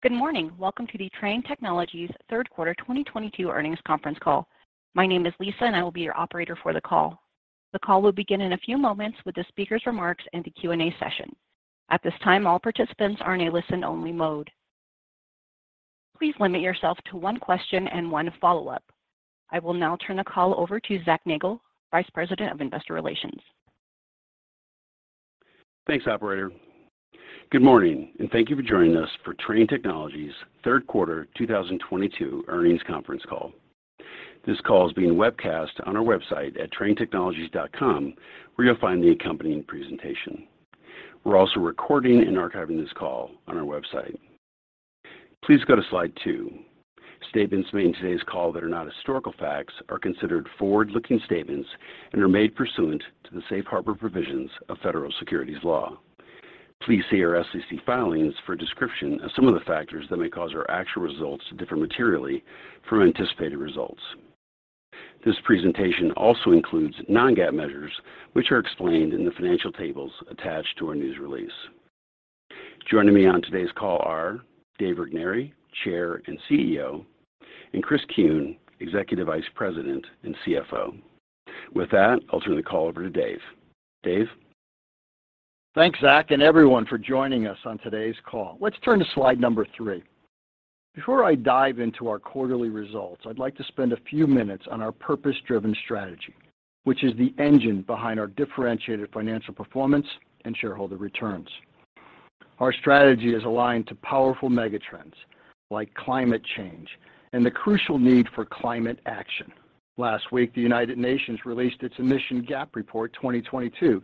Good morning. Welcome to the Trane Technologies third quarter 2022 earnings conference call. My name is Lisa, and I will be your operator for the call. The call will begin in a few moments with the speaker's remarks and the Q&A session. At this time, all participants are in a listen-only mode. Please limit yourself to one question and one follow-up. I will now turn the call over to Zachary Nagle, Vice President of Investor Relations. Thanks Operator. Good morning and thank you for joining us for Trane Technologies third quarter 2022 earnings conference call. This call is being webcast on our website at tranetechnologies.com, where you'll find the accompanying presentation. We're also recording and archiving this call on our website. Please go to slide two. Statements made in today's call that are not historical facts are considered forward-looking statements and are made pursuant to the safe harbor provisions of federal securities law. Please see our SEC filings for a description of some of the factors that may cause our actual results to differ materially from anticipated results. This presentation also includes non-GAAP measures, which are explained in the financial tables attached to our news release. Joining me on today's call are Dave Regnery, Chair and CEO, and Chris Kuehn, Executive Vice President and CFO. With that, I'll turn the call over to Dave. Dave? Thanks, Zach, and everyone for joining us on today's call. Let's turn to slide number three. Before I dive into our quarterly results, I'd like to spend a few minutes on our purpose-driven strategy, which is the engine behind our differentiated financial performance and shareholder returns. Our strategy is aligned to powerful megatrends like climate change and the crucial need for climate action. Last week, the United Nations released its Emissions Gap Report 2022,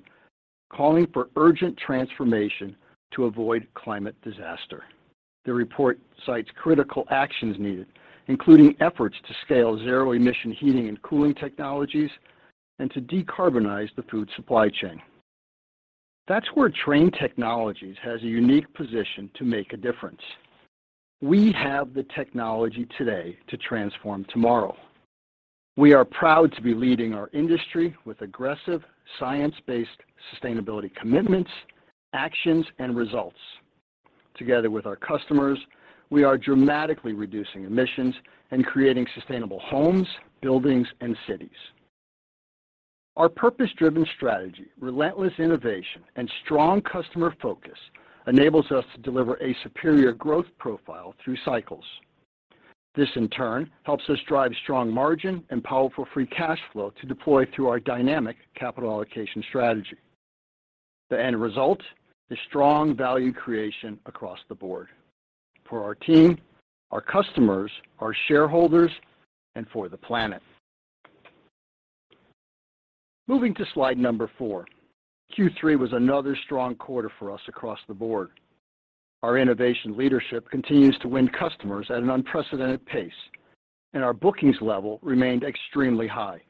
calling for urgent transformation to avoid climate disaster. The report cites critical actions needed, including efforts to scale zero-emission heating and cooling technologies and to decarbonize the food supply chain. That's where Trane Technologies has a unique position to make a difference. We have the technology today to transform tomorrow. We are proud to be leading our industry with aggressive science-based sustainability commitments, actions, and results. Together with our customers, we are dramatically reducing emissions and creating sustainable homes, buildings, and cities. Our purpose-driven strategy, relentless innovation, and strong customer focus enables us to deliver a superior growth profile through cycles. This, in turn, helps us drive strong margin and powerful free cash flow to deploy through our dynamic capital allocation strategy. The end result is strong value creation across the board for our team, our customers, our shareholders, and for the planet. Moving to slide number four. Q3 was another strong quarter for us across the board. Our innovation leadership continues to win customers at an unprecedented pace, and our bookings level remained extremely high,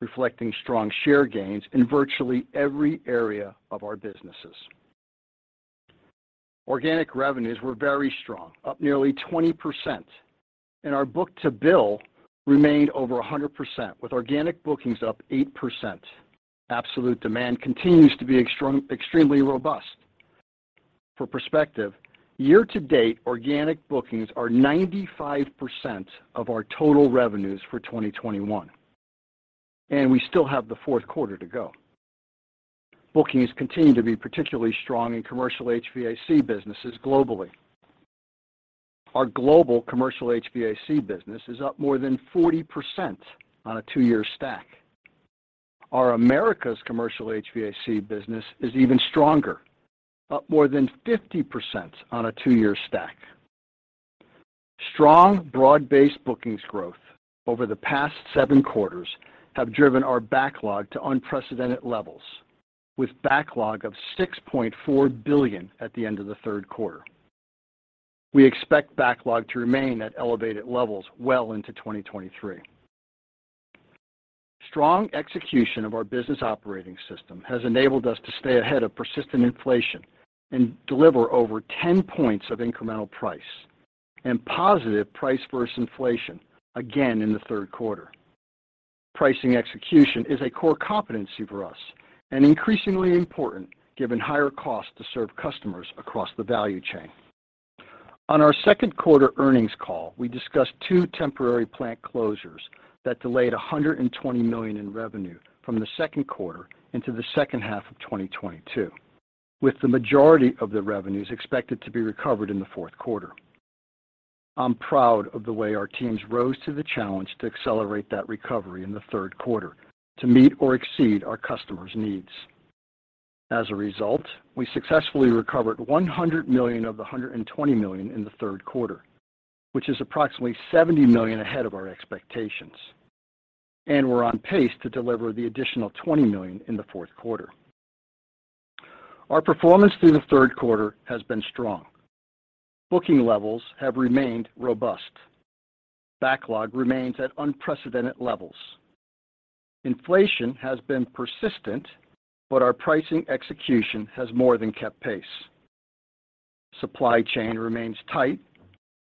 reflecting strong share gains in virtually every area of our businesses. Organic revenues were very strong, up nearly 20%, and our book-to-bill remained over 100% with organic bookings up 8%. Absolute demand continues to be extremely robust. For perspective, year-to-date organic bookings are 95% of our total revenues for 2021, and we still have the fourth quarter to go. Bookings continue to be particularly strong in commercial HVAC businesses globally. Our global commercial HVAC business is up more than 40% on a two-year stack. Our Americas commercial HVAC business is even stronger, up more than 50% on a two-year stack. Strong, broad-based bookings growth over the past seven quarters have driven our backlog to unprecedented levels with backlog of $6.4 billion at the end of the third quarter. We expect backlog to remain at elevated levels well into 2023. Strong execution of our business operating system has enabled us to stay ahead of persistent inflation and deliver over 10 points of incremental price and positive price versus inflation again in the third quarter. Pricing execution is a core competency for us and increasingly important given higher cost to serve customers across the value chain. On our second quarter earnings call, we discussed two temporary plant closures that delayed $120 million in revenue from the second quarter into the second half of 2022, with the majority of the revenues expected to be recovered in the fourth quarter. I'm proud of the way our teams rose to the challenge to accelerate that recovery in the third quarter to meet or exceed our customers' needs. As a result, we successfully recovered $100 million of the $120 million in the third quarter, which is approximately $70 million ahead of our expectations. We're on pace to deliver the additional $20 million in the fourth quarter. Our performance through the third quarter has been strong. Booking levels have remained robust. Backlog remains at unprecedented levels. Inflation has been persistent, but our pricing execution has more than kept pace. Supply chain remains tight,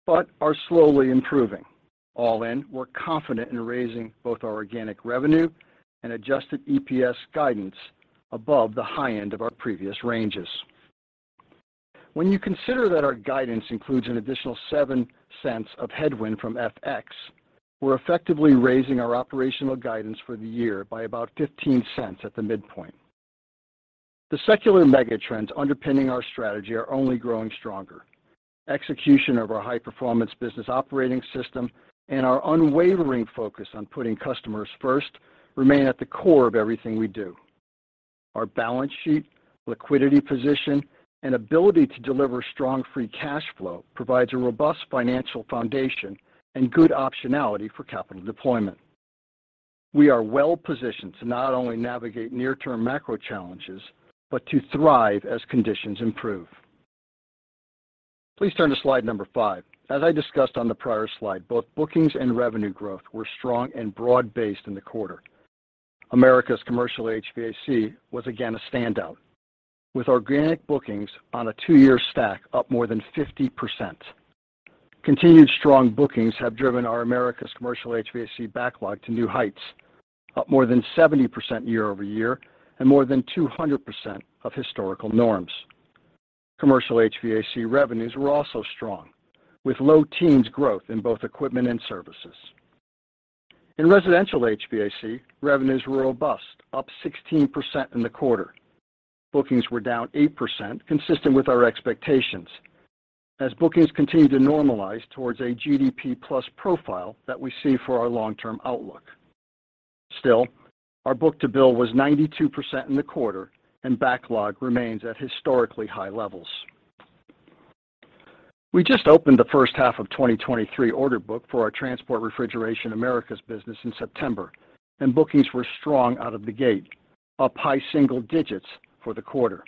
but is slowly improving. All in, we're confident in raising both our organic revenue and adjusted EPS guidance above the high end of our previous ranges. When you consider that our guidance includes an additional $0.07 of headwind from FX, we're effectively raising our operational guidance for the year by about $0.15 at the midpoint. The secular megatrends underpinning our strategy are only growing stronger. Execution of our high-performance business operating system and our unwavering focus on putting customers first remain at the core of everything we do. Our balance sheet, liquidity position, and ability to deliver strong free cash flow provides a robust financial foundation and good optionality for capital deployment. We are well positioned to not only navigate near-term macro challenges, but to thrive as conditions improve. Please turn to slide number five. As I discussed on the prior slide, both bookings and revenue growth were strong and broad-based in the quarter. Americas commercial HVAC was again a standout, with organic bookings on a two-year stack up more than 50%. Continued strong bookings have driven our Americas commercial HVAC backlog to new heights, up more than 70% year-over-year and more than 200% of historical norms. Commercial HVAC revenues were also strong, with low teens growth in both equipment and services. In residential HVAC, revenues were robust, up 16% in the quarter. Bookings were down 8%, consistent with our expectations, as bookings continue to normalize towards a GDP plus profile that we see for our long-term outlook. Still, our book-to-bill was 92% in the quarter and backlog remains at historically high levels. We just opened the first half of 2023 order book for our Transport Refrigeration Americas business in September, and bookings were strong out of the gate, up high single digits for the quarter.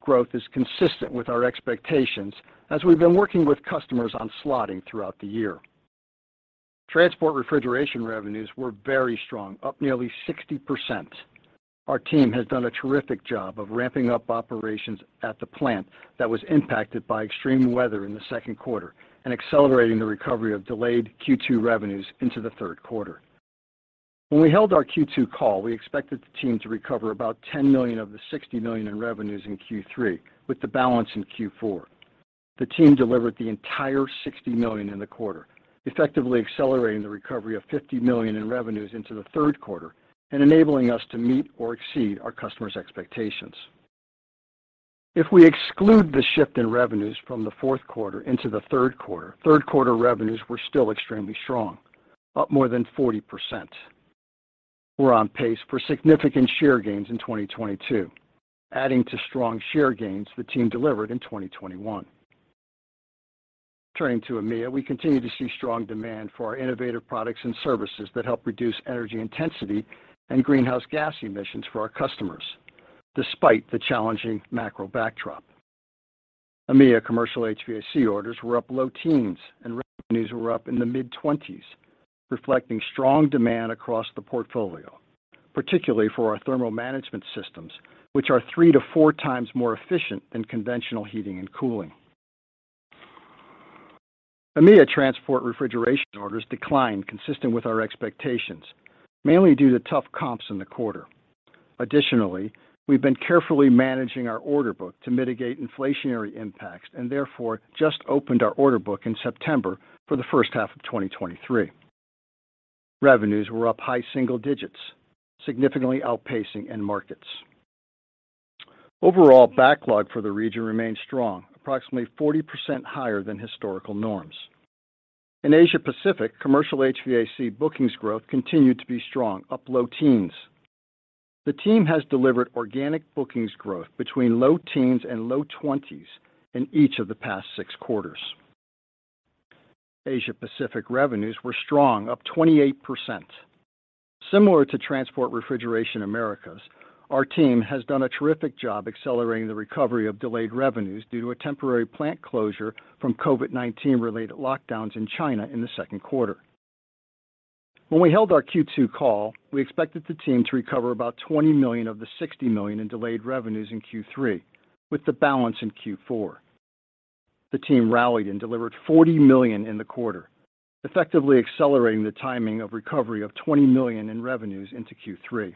Growth is consistent with our expectations as we've been working with customers on slotting throughout the year. Transport Refrigeration revenues were very strong, up nearly 60%. Our team has done a terrific job of ramping up operations at the plant that was impacted by extreme weather in the second quarter and accelerating the recovery of delayed Q2 revenues into the third quarter. When we held our Q2 call, we expected the team to recover about $10 million of the $60 million in revenues in Q3, with the balance in Q4. The team delivered the entire $60 million in the quarter, effectively accelerating the recovery of $50 million in revenues into the third quarter and enabling us to meet or exceed our customers' expectations. If we exclude the shift in revenues from the fourth quarter into the third quarter, third quarter revenues were still extremely strong, up more than 40%. We're on pace for significant share gains in 2022, adding to strong share gains the team delivered in 2021. Turning to EMEA, we continue to see strong demand for our innovative products and services that help reduce energy intensity and greenhouse gas emissions for our customers despite the challenging macro backdrop. EMEA commercial HVAC orders were up low teens and revenues were up in the mid-twenties, reflecting strong demand across the portfolio, particularly for our thermal management systems, which are 3x to 4x more efficient than conventional heating and cooling. EMEA transport refrigeration orders declined consistent with our expectations, mainly due to tough comps in the quarter. We've been carefully managing our order book to mitigate inflationary impacts and therefore just opened our order book in September for the first half of 2023. Revenues were up high single digits, significantly outpacing end markets. Overall backlog for the region remains strong, approximately 40% higher than historical norms. In Asia Pacific, commercial HVAC bookings growth continued to be strong, up low teens. The team has delivered organic bookings growth between low teens and low twenties in each of the past six quarters. Asia Pacific revenues were strong, up 28%. Similar to Transport Refrigeration Americas, our team has done a terrific job accelerating the recovery of delayed revenues due to a temporary plant closure from COVID-19 related lockdowns in China in the second quarter. When we held our Q2 call, we expected the team to recover about $20 million of the $60 million in delayed revenues in Q3, with the balance in Q4. The team rallied and delivered $40 million in the quarter, effectively accelerating the timing of recovery of $20 million in revenues into Q3.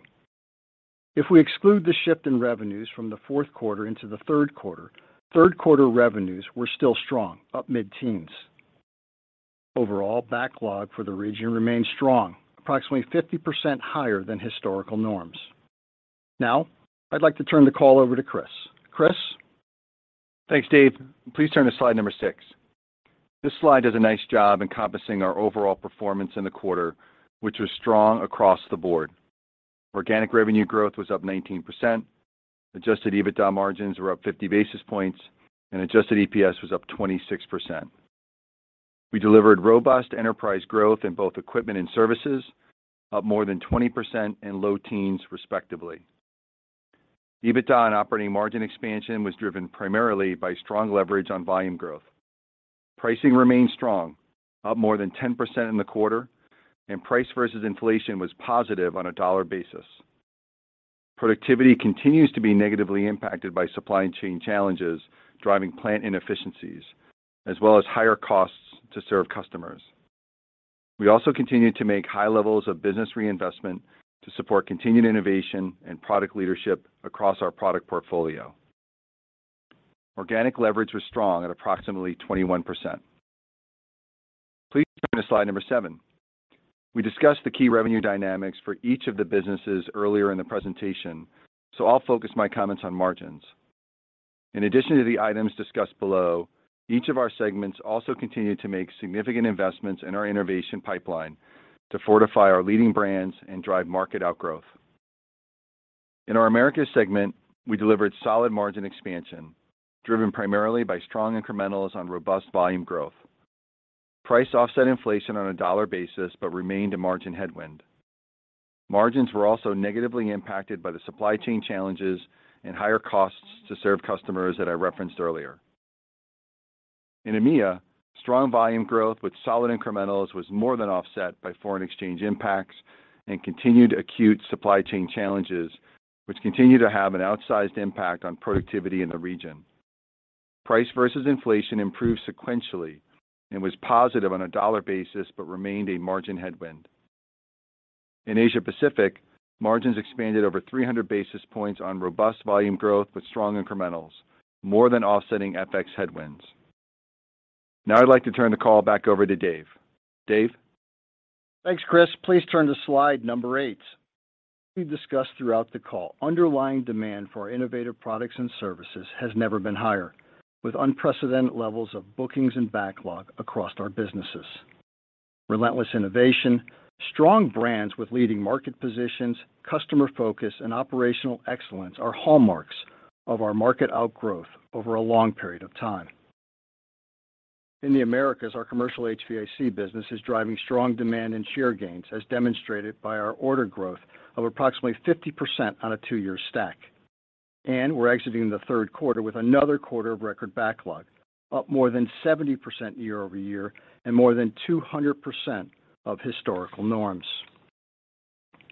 If we exclude the shift in revenues from the fourth quarter into the third quarter, third quarter revenues were still strong, up mid-teens. Overall backlog for the region remains strong, approximately 50% higher than historical norms. Now, I'd like to turn the call over to Chris. Chris? Thanks, Dave. Please turn to slide number six. This slide does a nice job encompassing our overall performance in the quarter, which was strong across the board. Organic revenue growth was up 19%. Adjusted EBITDA margins were up 50 basis points, and adjusted EPS was up 26%. We delivered robust enterprise growth in both equipment and services, up more than 20% and low teens, respectively. The EBITDA and operating margin expansion was driven primarily by strong leverage on volume growth. Pricing remained strong, up more than 10% in the quarter, and price versus inflation was positive on a dollar basis. Productivity continues to be negatively impacted by supply chain challenges, driving plant inefficiencies as well as higher costs to serve customers. We also continue to make high levels of business reinvestment to support continued innovation and product leadership across our product portfolio. Organic leverage was strong at approximately 21%. Please turn to slide number seven. We discussed the key revenue dynamics for each of the businesses earlier in the presentation, so I'll focus my comments on margins. In addition to the items discussed below, each of our segments also continue to make significant investments in our innovation pipeline to fortify our leading brands and drive market outgrowth. In our America segment, we delivered solid margin expansion, driven primarily by strong incrementals on robust volume growth. Price offset inflation on a dollar basis, but remained a margin headwind. Margins were also negatively impacted by the supply chain challenges and higher costs to serve customers that I referenced earlier. In EMEA, strong volume growth with solid incrementals was more than offset by foreign exchange impacts and continued acute supply chain challenges, which continue to have an outsized impact on productivity in the region. Price versus inflation improved sequentially and was positive on a dollar basis, but remained a margin headwind. In Asia Pacific, margins expanded over 300 basis points on robust volume growth with strong incrementals, more than offsetting FX headwinds. Now I'd like to turn the call back over to Dave. Dave? Thanks, Chris. Please turn to slide number eight. We've discussed throughout the call underlying demand for our innovative products and services has never been higher, with unprecedented levels of bookings and backlog across our businesses. Relentless innovation, strong brands with leading market positions, customer focus, and operational excellence are hallmarks of our market outgrowth over a long period of time. In the Americas, our commercial HVAC business is driving strong demand and share gains, as demonstrated by our order growth of approximately 50% on a two-year stack. We're exiting the third quarter with another quarter of record backlog, up more than 70% year-over-year and more than 200% of historical norms.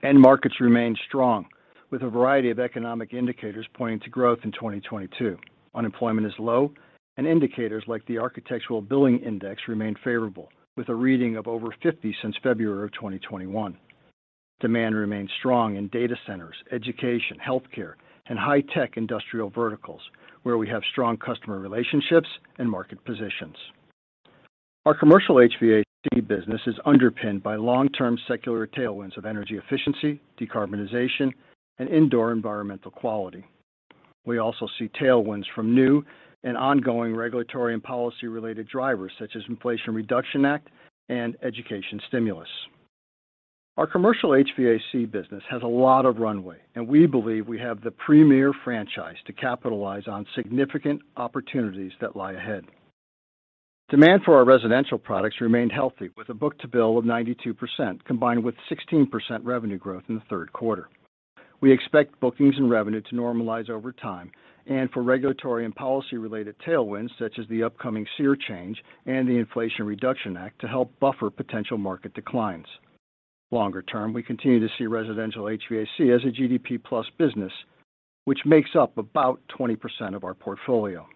End markets remain strong with a variety of economic indicators pointing to growth in 2022. Unemployment is low, and indicators like the Architecture Billings Index remain favorable, with a reading of over 50 since February of 2021. Demand remains strong in data centers, education, healthcare, and high-tech industrial verticals, where we have strong customer relationships and market positions. Our commercial HVAC business is underpinned by long-term secular tailwinds of energy efficiency, decarbonization, and indoor environmental quality. We also see tailwinds from new and ongoing regulatory and policy-related drivers such as Inflation Reduction Act and education stimulus. Our commercial HVAC business has a lot of runway, and we believe we have the premier franchise to capitalize on significant opportunities that lie ahead. Demand for our residential products remained healthy with a book-to-bill of 92%, combined with 16% revenue growth in the third quarter. We expect bookings and revenue to normalize over time and for regulatory and policy-related tailwinds such as the upcoming SEER change and the Inflation Reduction Act to help buffer potential market declines. Longer term, we continue to see residential HVAC as a GDP plus business, which makes up about 20% of our portfolio.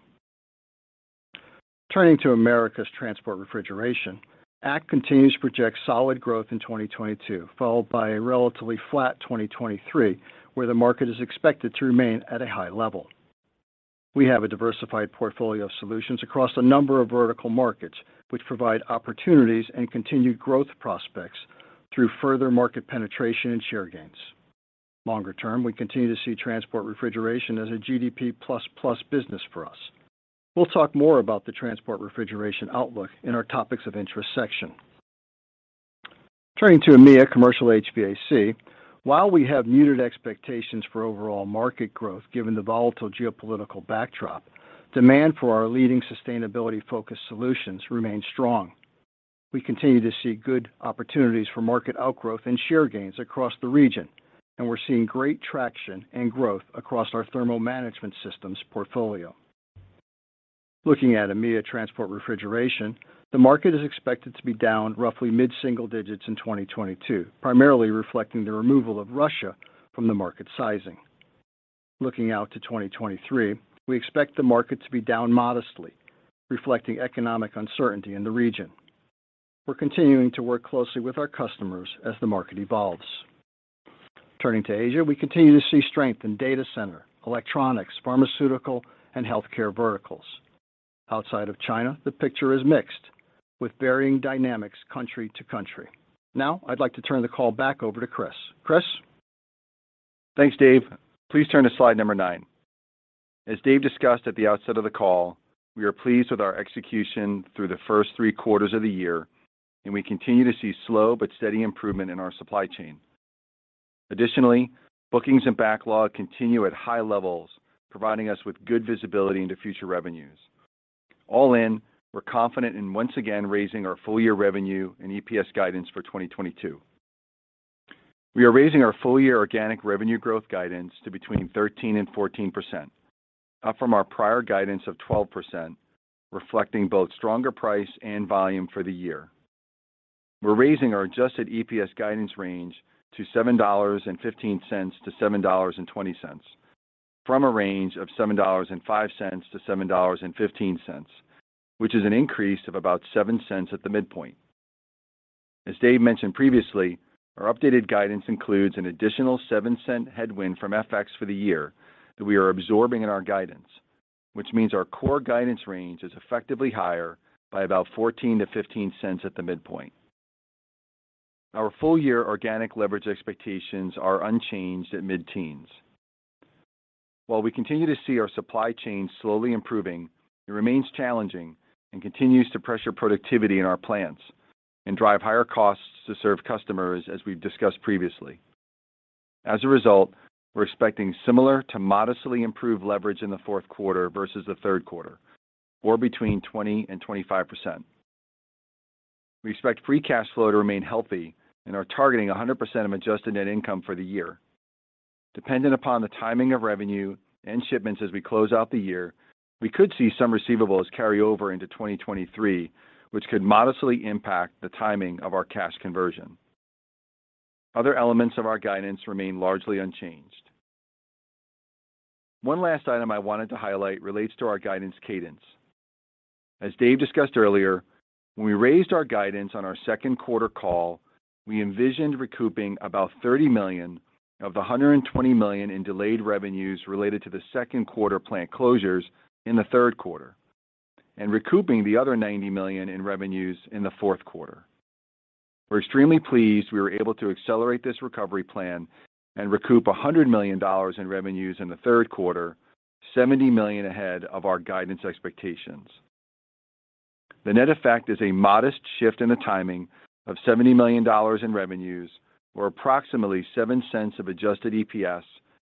Turning to Americas transport refrigeration, ACT continues to project solid growth in 2022, followed by a relatively flat 2023, where the market is expected to remain at a high level. We have a diversified portfolio of solutions across a number of vertical markets, which provide opportunities and continued growth prospects through further market penetration and share gains. Longer term, we continue to see transport refrigeration as a GDP plus business for us. We'll talk more about the transport refrigeration outlook in our topics of interest section. Turning to EMEA commercial HVAC. While we have muted expectations for overall market growth given the volatile geopolitical backdrop, demand for our leading sustainability-focused solutions remains strong. We continue to see good opportunities for market outgrowth and share gains across the region, and we're seeing great traction and growth across our Thermal Management Systems portfolio. Looking at EMEA transport refrigeration, the market is expected to be down roughly mid-single digits in 2022, primarily reflecting the removal of Russia from the market sizing. Looking out to 2023, we expect the market to be down modestly, reflecting economic uncertainty in the region. We're continuing to work closely with our customers as the market evolves. Turning to Asia, we continue to see strength in data center, electronics, pharmaceutical, and healthcare verticals. Outside of China, the picture is mixed with varying dynamics country to country. Now, I'd like to turn the call back over to Chris. Chris? Thanks, Dave. Please turn to slide number nine. As Dave discussed at the outset of the call, we are pleased with our execution through the first three quarters of the year, and we continue to see slow but steady improvement in our supply chain. Additionally, bookings and backlog continue at high levels, providing us with good visibility into future revenues. All in, we're confident in once again raising our full year revenue and EPS guidance for 2022. We are raising our full year organic revenue growth guidance to between 13% and 14%, up from our prior guidance of 12%, reflecting both stronger price and volume for the year. We're raising our adjusted EPS guidance range to $7.15-$7.20 from a range of $7.05-$7.15, which is an increase of about $0.07 At the midpoint. As Dave mentioned previously, our updated guidance includes an additional $0.07 headwind from FX for the year that we are absorbing in our guidance, which means our core guidance range is effectively higher by about $0.14-$0.15 at the midpoint. Our full year organic leverage expectations are unchanged at mid-teens. While we continue to see our supply chain slowly improving, it remains challenging and continues to pressure productivity in our plants and drive higher costs to serve customers, as we've discussed previously. As a result, we're expecting similar to modestly improved leverage in the fourth quarter versus the third quarter or between 20% and 25%. We expect free cash flow to remain healthy and are targeting 100% of adjusted net income for the year. Dependent upon the timing of revenue and shipments as we close out the year, we could see some receivables carry over into 2023, which could modestly impact the timing of our cash conversion. Other elements of our guidance remain largely unchanged. One last item I wanted to highlight relates to our guidance cadence. As Dave discussed earlier, when we raised our guidance on our second quarter call, we envisioned recouping about $30 million of the $120 million in delayed revenues related to the second quarter plant closures in the third quarter, and recouping the other $90 million in revenues in the fourth quarter. We're extremely pleased we were able to accelerate this recovery plan and recoup $100 million in revenues in the third quarter, $70 million ahead of our guidance expectations. The net effect is a modest shift in the timing of $70 million in revenues, or approximately $0.07 of adjusted EPS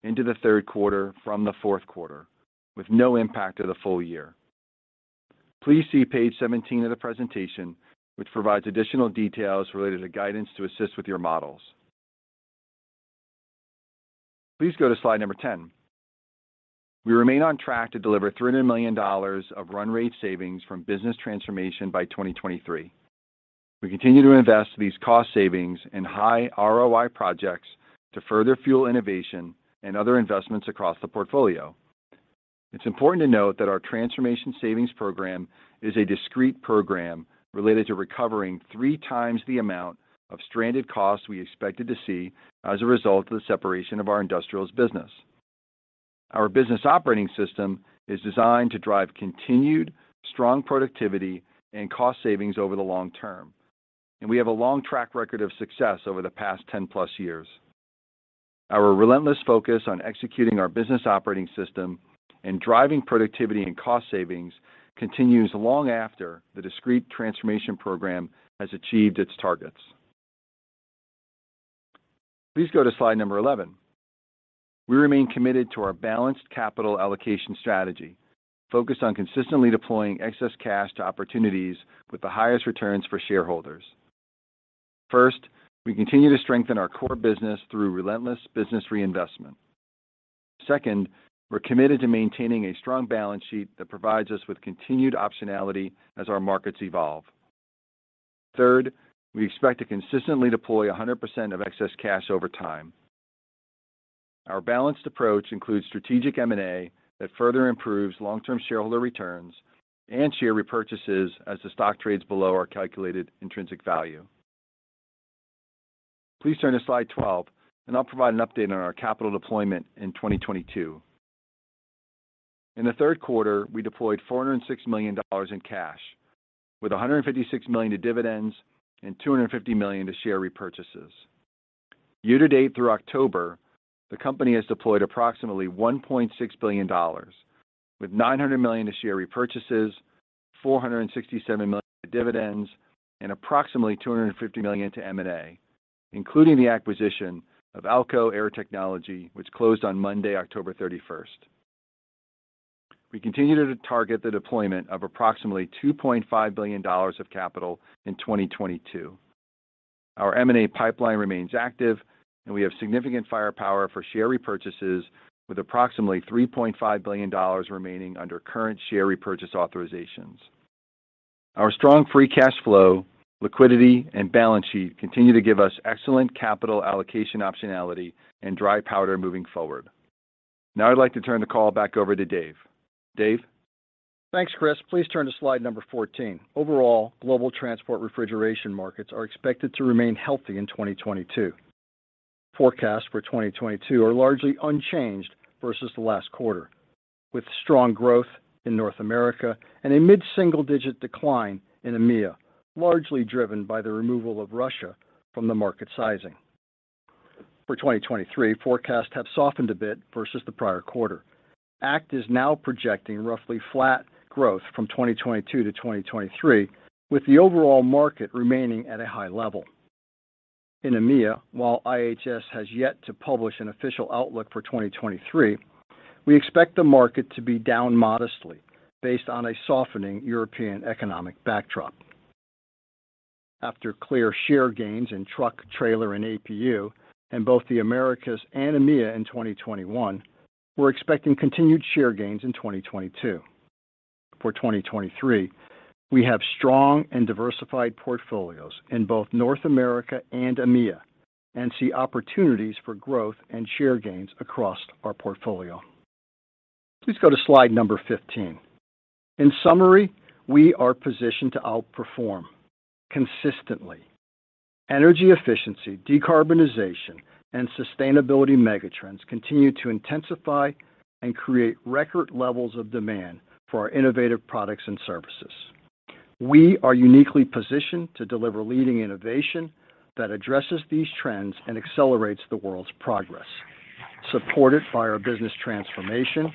into the third quarter from the fourth quarter, with no impact to the full year. Please see page 17 of the presentation, which provides additional details related to guidance to assist with your models. Please go to slide 10. We remain on track to deliver $300 million of run-rate savings from business transformation by 2023. We continue to invest these cost savings in high ROI projects to further fuel innovation and other investments across the portfolio. It's important to note that our transformation savings program is a discrete program related to recovering 3x the amount of stranded costs we expected to see as a result of the separation of our industrials business. Our business operating system is designed to drive continued strong productivity and cost savings over the long term, and we have a long track record of success over the past 10+ years. Our relentless focus on executing our business operating system and driving productivity and cost savings continues long after the discrete transformation program has achieved its targets. Please go to slide number 11. We remain committed to our balanced capital allocation strategy, focused on consistently deploying excess cash to opportunities with the highest returns for shareholders. First, we continue to strengthen our core business through relentless business reinvestment. Second, we're committed to maintaining a strong balance sheet that provides us with continued optionality as our markets evolve. Third, we expect to consistently deploy 100% of excess cash over time. Our balanced approach includes strategic M&A that further improves long-term shareholder returns and share repurchases as the stock trades below our calculated intrinsic value. Please turn to slide 12, and I'll provide an update on our capital deployment in 2022. In the third quarter, we deployed $406 million in cash with $156 million to dividends and $250 million to share repurchases. Year to date through October, the company has deployed approximately $1.6 billion, with $900 million to share repurchases, $467 million to dividends, and approximately $250 million to M&A, including the acquisition of AL-KO Air Technology, which closed on Monday, October 31st. We continue to target the deployment of approximately $2.5 billion of capital in 2022. Our M&A pipeline remains active and we have significant firepower for share repurchases with approximately $3.5 billion remaining under current share repurchase authorizations. Our strong free cash flow, liquidity, and balance sheet continue to give us excellent capital allocation optionality and dry powder moving forward. Now I'd like to turn the call back over to Dave. Dave? Thanks, Chris. Please turn to slide number 14. Overall, global transport refrigeration markets are expected to remain healthy in 2022. Forecasts for 2022 are largely unchanged versus the last quarter, with strong growth in North America and a mid-single digit decline in EMEA, largely driven by the removal of Russia from the market sizing. For 2023, forecasts have softened a bit versus the prior quarter. ACT is now projecting roughly flat growth from 2022 to 2023, with the overall market remaining at a high level. In EMEA, while IHS has yet to publish an official outlook for 2023, we expect the market to be down modestly based on a softening European economic backdrop. After clear share gains in truck, trailer and APU in both the Americas and EMEA in 2021, we're expecting continued share gains in 2022. For 2023, we have strong and diversified portfolios in both North America and EMEA, and see opportunities for growth and share gains across our portfolio. Please go to slide number 15. In summary, we are positioned to outperform consistently. Energy efficiency, decarbonization, and sustainability megatrends continue to intensify and create record levels of demand for our innovative products and services. We are uniquely positioned to deliver leading innovation that addresses these trends and accelerates the world's progress, supported by our business transformation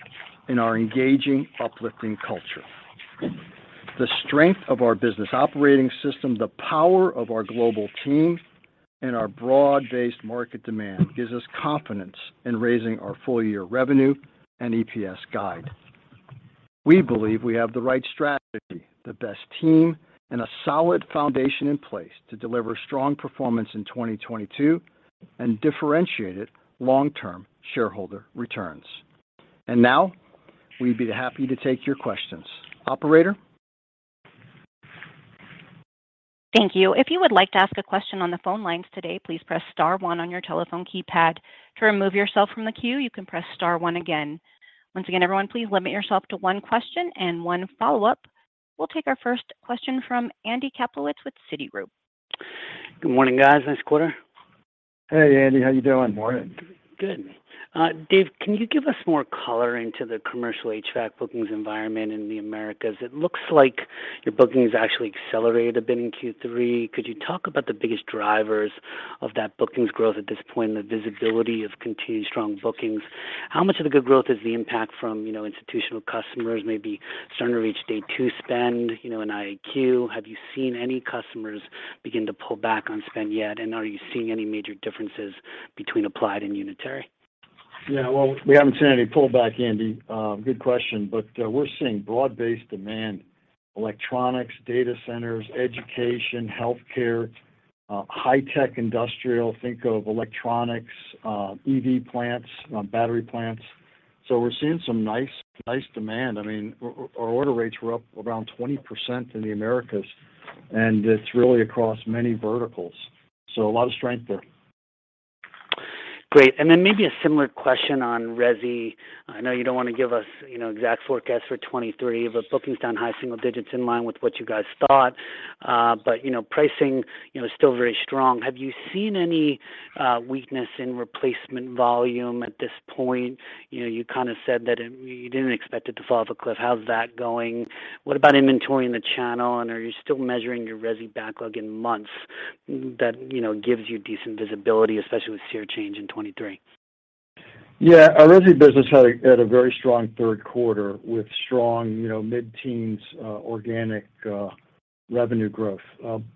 and our engaging, uplifting culture. The strength of our business operating system, the power of our global team, and our broad-based market demand gives us confidence in raising our full year revenue and EPS guide. We believe we have the right strategy, the best team, and a solid foundation in place to deliver strong performance in 2022 and differentiated long-term shareholder returns. Now we'd be happy to take your questions. Operator? Thank you. If you would like to ask a question on the phone lines today, please press star one on your telephone keypad. To remove yourself from the queue, you can press star one again. Once again, everyone, please limit yourself to one question and one follow-up. We'll take our first question from Andy Kaplowitz with Citigroup. Good morning, guys. Nice quarter. Hey, Andy. How you doing? Morning. Good. Dave, can you give us more color into the commercial HVAC bookings environment in the Americas? It looks like your bookings actually accelerated a bit in Q3. Could you talk about the biggest drivers of that bookings growth at this point and the visibility of continued strong bookings? How much of the good growth is the impact from, you know, institutional customers maybe starting to reach day two spend, you know, in IAQ? Have you seen any customers begin to pull back on spend yet? And are you seeing any major differences between Applied and Unitary? Yeah. Well, we haven't seen any pullback, Andy. Good question. We're seeing broad-based demand, electronics, data centers, education, healthcare, high-tech industrial. Think of electronics, EV plants, battery plants. We're seeing some nice demand. I mean, our order rates were up around 20% in the Americas, and it's really across many verticals, so a lot of strength there. Great. Maybe a similar question on resi. I know you don't wanna give us, you know, exact forecasts for 2023, but bookings down high single digits in line with what you guys thought. You know, pricing, you know, is still very strong. Have you seen any weakness in replacement volume at this point? You know, you kinda said that you didn't expect it to fall off a cliff. How's that going? What about inventory in the channel, and are you still measuring your resi backlog in months that, you know, gives you decent visibility, especially with SEER change in 2023? Yeah. Our resi business had a very strong third quarter with strong, you know, mid-teens organic revenue growth.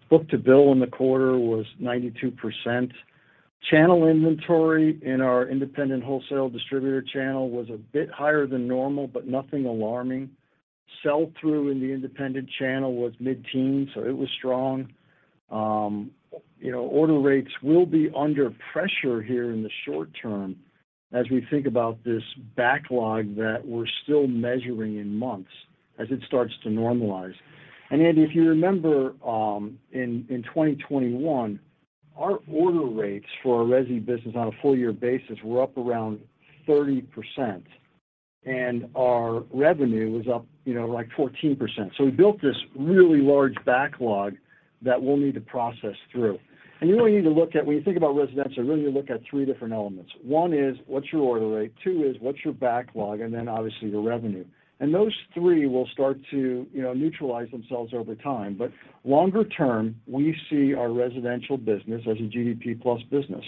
Book-to-bill in the quarter was 92%. Channel inventory in our independent wholesale distributor channel was a bit higher than normal, but nothing alarming. Sell-through in the independent channel was mid-teens, so it was strong. You know, order rates will be under pressure here in the short term as we think about this backlog that we're still measuring in months as it starts to normalize. Andy, if you remember, in 2021, our order rates for our resi business on a full year basis were up around 30%, and our revenue was up, you know, like 14%. So we built this really large backlog that we'll need to process through. You really need to look at When you think about residential, you really look at three different elements. One is, what's your order rate? Two is, what's your backlog? Then obviously the revenue. Those three will start to, you know, neutralize themselves over time. Longer term, we see our residential business as a GDP plus business.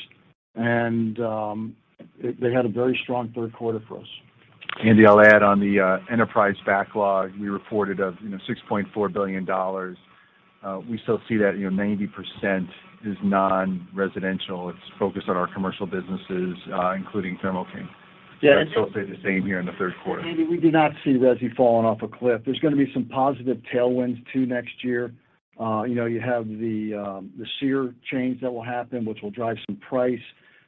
They had a very strong third quarter for us. Andy, I'll add on the enterprise backlog we reported of $6.4 billion. You know, we still see that 90% is non-residential. It's focused on our commercial businesses, including Thermo King. Yeah. It stayed the same here in the third quarter. Andy, we do not see resi falling off a cliff. There's gonna be some positive tailwinds too next year. You know, you have the SEER change that will happen, which will drive some price.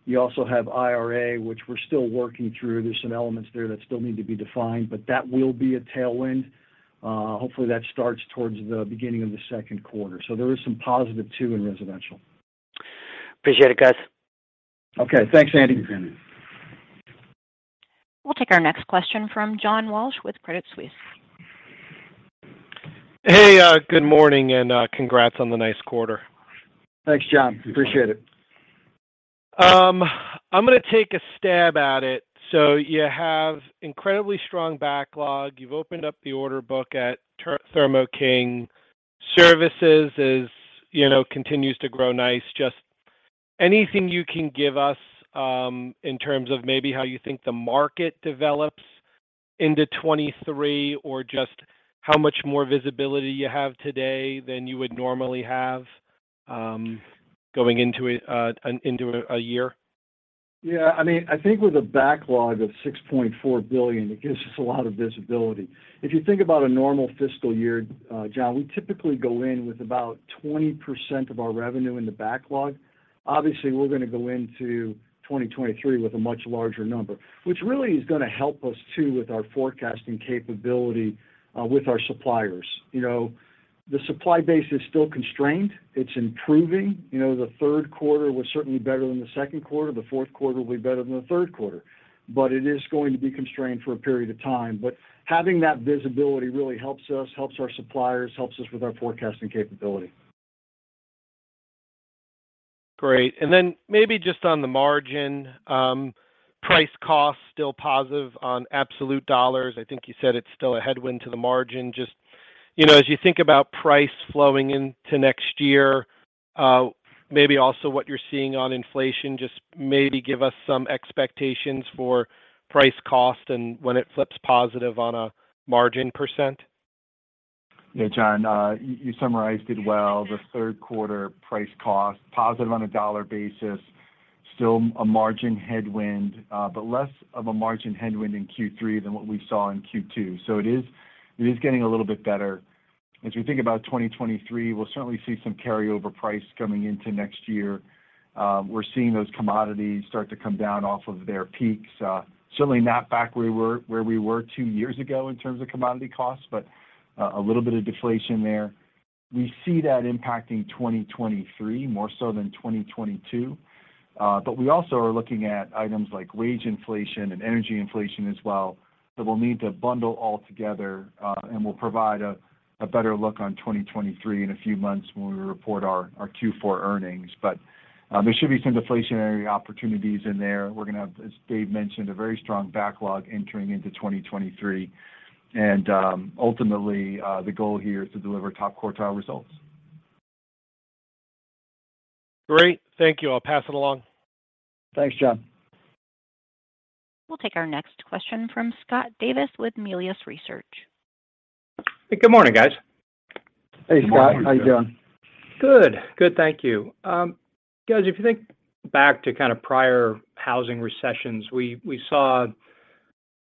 You also have IRA, which we're still working through. There's some elements there that still need to be defined, but that will be a tailwind. Hopefully, that starts towards the beginning of the second quarter. There is some positive too in residential. Appreciate it, guys. Okay. Thanks, Andy. We'll take our next question from John Walsh with Credit Suisse. Hey. Good morning, and congrats on the nice quarter. Thanks, John. Appreciate it. I'm gonna take a stab at it. You have incredibly strong backlog. You've opened up the order book at Thermo King. Services, you know, continues to grow nicely. Just anything you can give us in terms of maybe how you think the market develops into 2023 or just how much more visibility you have today than you would normally have going into a year? Yeah. I mean, I think with a backlog of $6.4 billion, it gives us a lot of visibility. If you think about a normal fiscal year, John, we typically go in with about 20% of our revenue in the backlog. Obviously, we're gonna go into 2023 with a much larger number, which really is gonna help us too with our forecasting capability, with our suppliers. You know, the supply base is still constrained. It's improving. You know, the third quarter was certainly better than the second quarter. The fourth quarter will be better than the third quarter. It is going to be constrained for a period of time. Having that visibility really helps us, helps our suppliers, helps us with our forecasting capability. Great. Then maybe just on the margin, price cost still positive on absolute dollars. I think you said it's still a headwind to the margin. Just, you know, as you think about price flowing into next year, maybe also what you're seeing on inflation, just maybe give us some expectations for price cost and when it flips positive on a margin percent? Yeah, John, you summarized it well. The third quarter price cost positive on a dollar basis, still a margin headwind, but less of a margin headwind in Q3 than what we saw in Q2. It is getting a little bit better. As we think about 2023, we'll certainly see some carryover price coming into next year. We're seeing those commodities start to come down off of their peaks. Certainly not back where we were two years ago in terms of commodity costs, but a little bit of deflation there. We see that impacting 2023 more so than 2022. We also are looking at items like wage inflation and energy inflation as well that we'll need to bundle all together, and we'll provide a better look on 2023 in a few months when we report our Q4 earnings. There should be some deflationary opportunities in there. We're gonna, as Dave mentioned, a very strong backlog entering into 2023. Ultimately, the goal here is to deliver top quartile results. Great. Thank you. I'll pass it along. Thanks, John. We'll take our next question from Scott Davis with Melius Research. Good morning, guys. Hey, Scott. How you doing? Good. Good, thank you. Guys, if you think back to kind of prior housing recessions, we saw,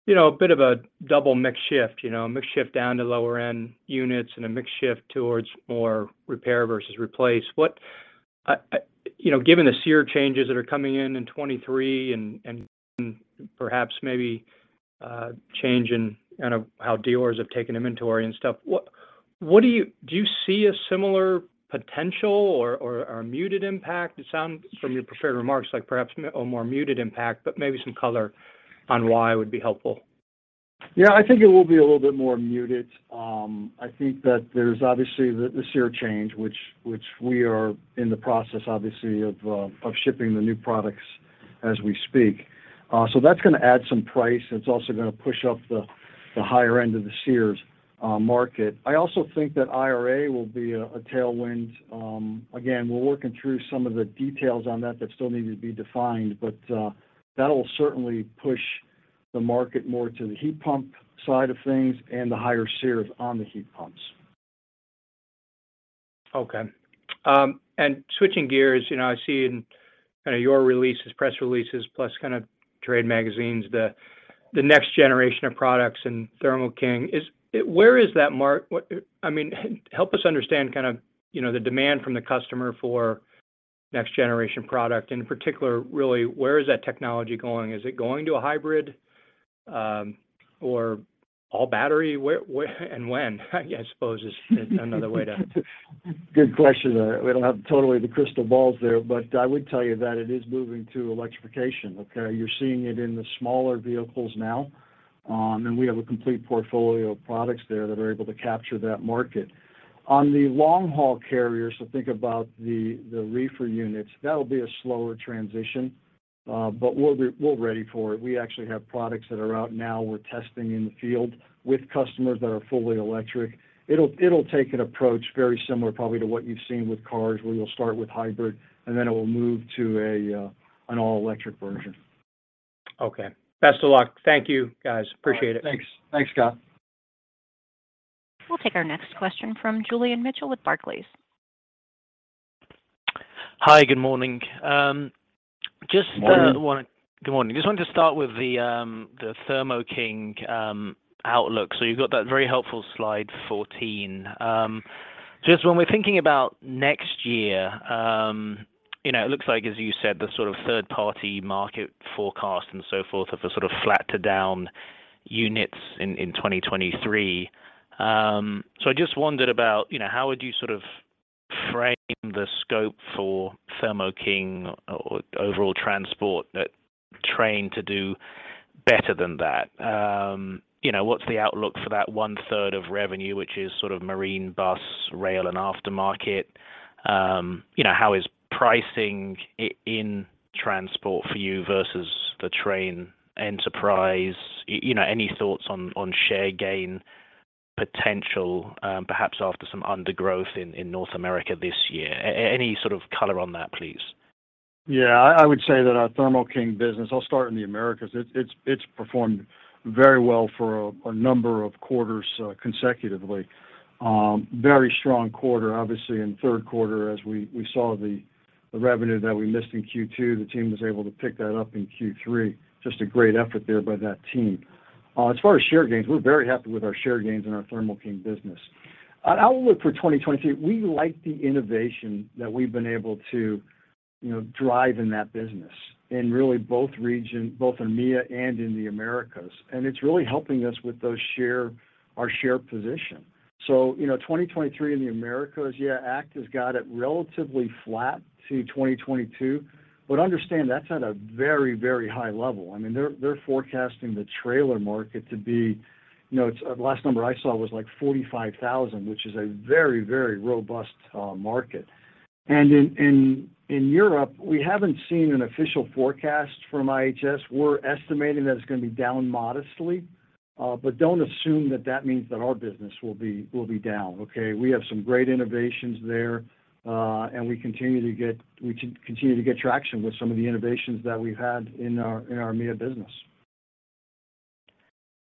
you know, a bit of a double mix shift. You know, a mix shift down to lower-end units and a mix shift towards more repair versus replace. You know, given the SEER changes that are coming in in 2023 and perhaps maybe change in kind of how dealers have taken inventory and stuff, what do you see a similar potential or a muted impact? It sounds from your prepared remarks like perhaps a more muted impact, but maybe some color on why would be helpful. Yeah. I think it will be a little bit more muted. I think that there's obviously the SEER change, which we are in the process, obviously, of shipping the new products as we speak. So that's gonna add some price. It's also gonna push up the higher end of the SEERs market. I also think that IRA will be a tailwind. Again, we're working through some of the details on that still need to be defined, but that'll certainly push the market more to the heat pump side of things and the higher SEERs on the heat pumps. Okay. Switching gears, you know, I see in kind of your releases, press releases, plus kind of trade magazines, the next generation of products in Thermo King. Where is that market? I mean, help us understand kind of, you know, the demand from the customer for next generation product. In particular, really, where is that technology going? Is it going to a hybrid or all battery? Where and when, I suppose, is another way to. Good question. We don't have totally the crystal balls there, but I would tell you that it is moving to electrification, okay? You're seeing it in the smaller vehicles now, and we have a complete portfolio of products there that are able to capture that market. On the long-haul carriers, so think about the reefer units, that'll be a slower transition, but we're ready for it. We actually have products that are out now we're testing in the field with customers that are fully electric. It'll take an approach very similar probably to what you've seen with cars, where you'll start with hybrid, and then it will move to an all-electric version. Okay. Best of luck. Thank you, guys. Appreciate it. Thanks. Thanks, Scott. We'll take our next question from Julian Mitchell with Barclays. Hi. Good morning. Morning. Good morning. Just wanted to start with the Thermo King outlook. You've got that very helpful slide 14. Just when we're thinking about next year, you know, it looks like, as you said, the sort of third-party market forecast and so forth of the sort of flat to down units in 2023. I just wondered about, you know, how would you sort of frame the scope for Thermo King or overall transport that Trane to do better than that? You know, what's the outlook for that 1/3 of revenue, which is sort of marine, bus, rail, and aftermarket? You know, how is pricing in transport for you versus the Trane enterprise? You know, any thoughts on share gain potential, perhaps after some underperformance in North America this year? Any sort of color on that, please? I would say that our Thermo King business. I'll start in the Americas. It's performed very well for a number of quarters consecutively. Very strong quarter, obviously, in third quarter as we saw the revenue that we missed in Q2. The team was able to pick that up in Q3. Just a great effort there by that team. As far as share gains, we're very happy with our share gains in our Thermo King business. Our outlook for 2023, we like the innovation that we've been able to you know, drive in that business in really both regions, both in EMEA and in the Americas. It's really helping us with those shares, our share position. You know, 2023 in the Americas, yeah, ACT has got it relatively flat to 2022. Understand, that's at a very, very high level. I mean, they're forecasting the trailer market to be, you know, it's last number I saw was, like, 45,000, which is a very, very robust market. In Europe, we haven't seen an official forecast from IHS. We're estimating that it's gonna be down modestly, but don't assume that that means that our business will be down, okay? We have some great innovations there, and we continue to get traction with some of the innovations that we've had in our EMEA business.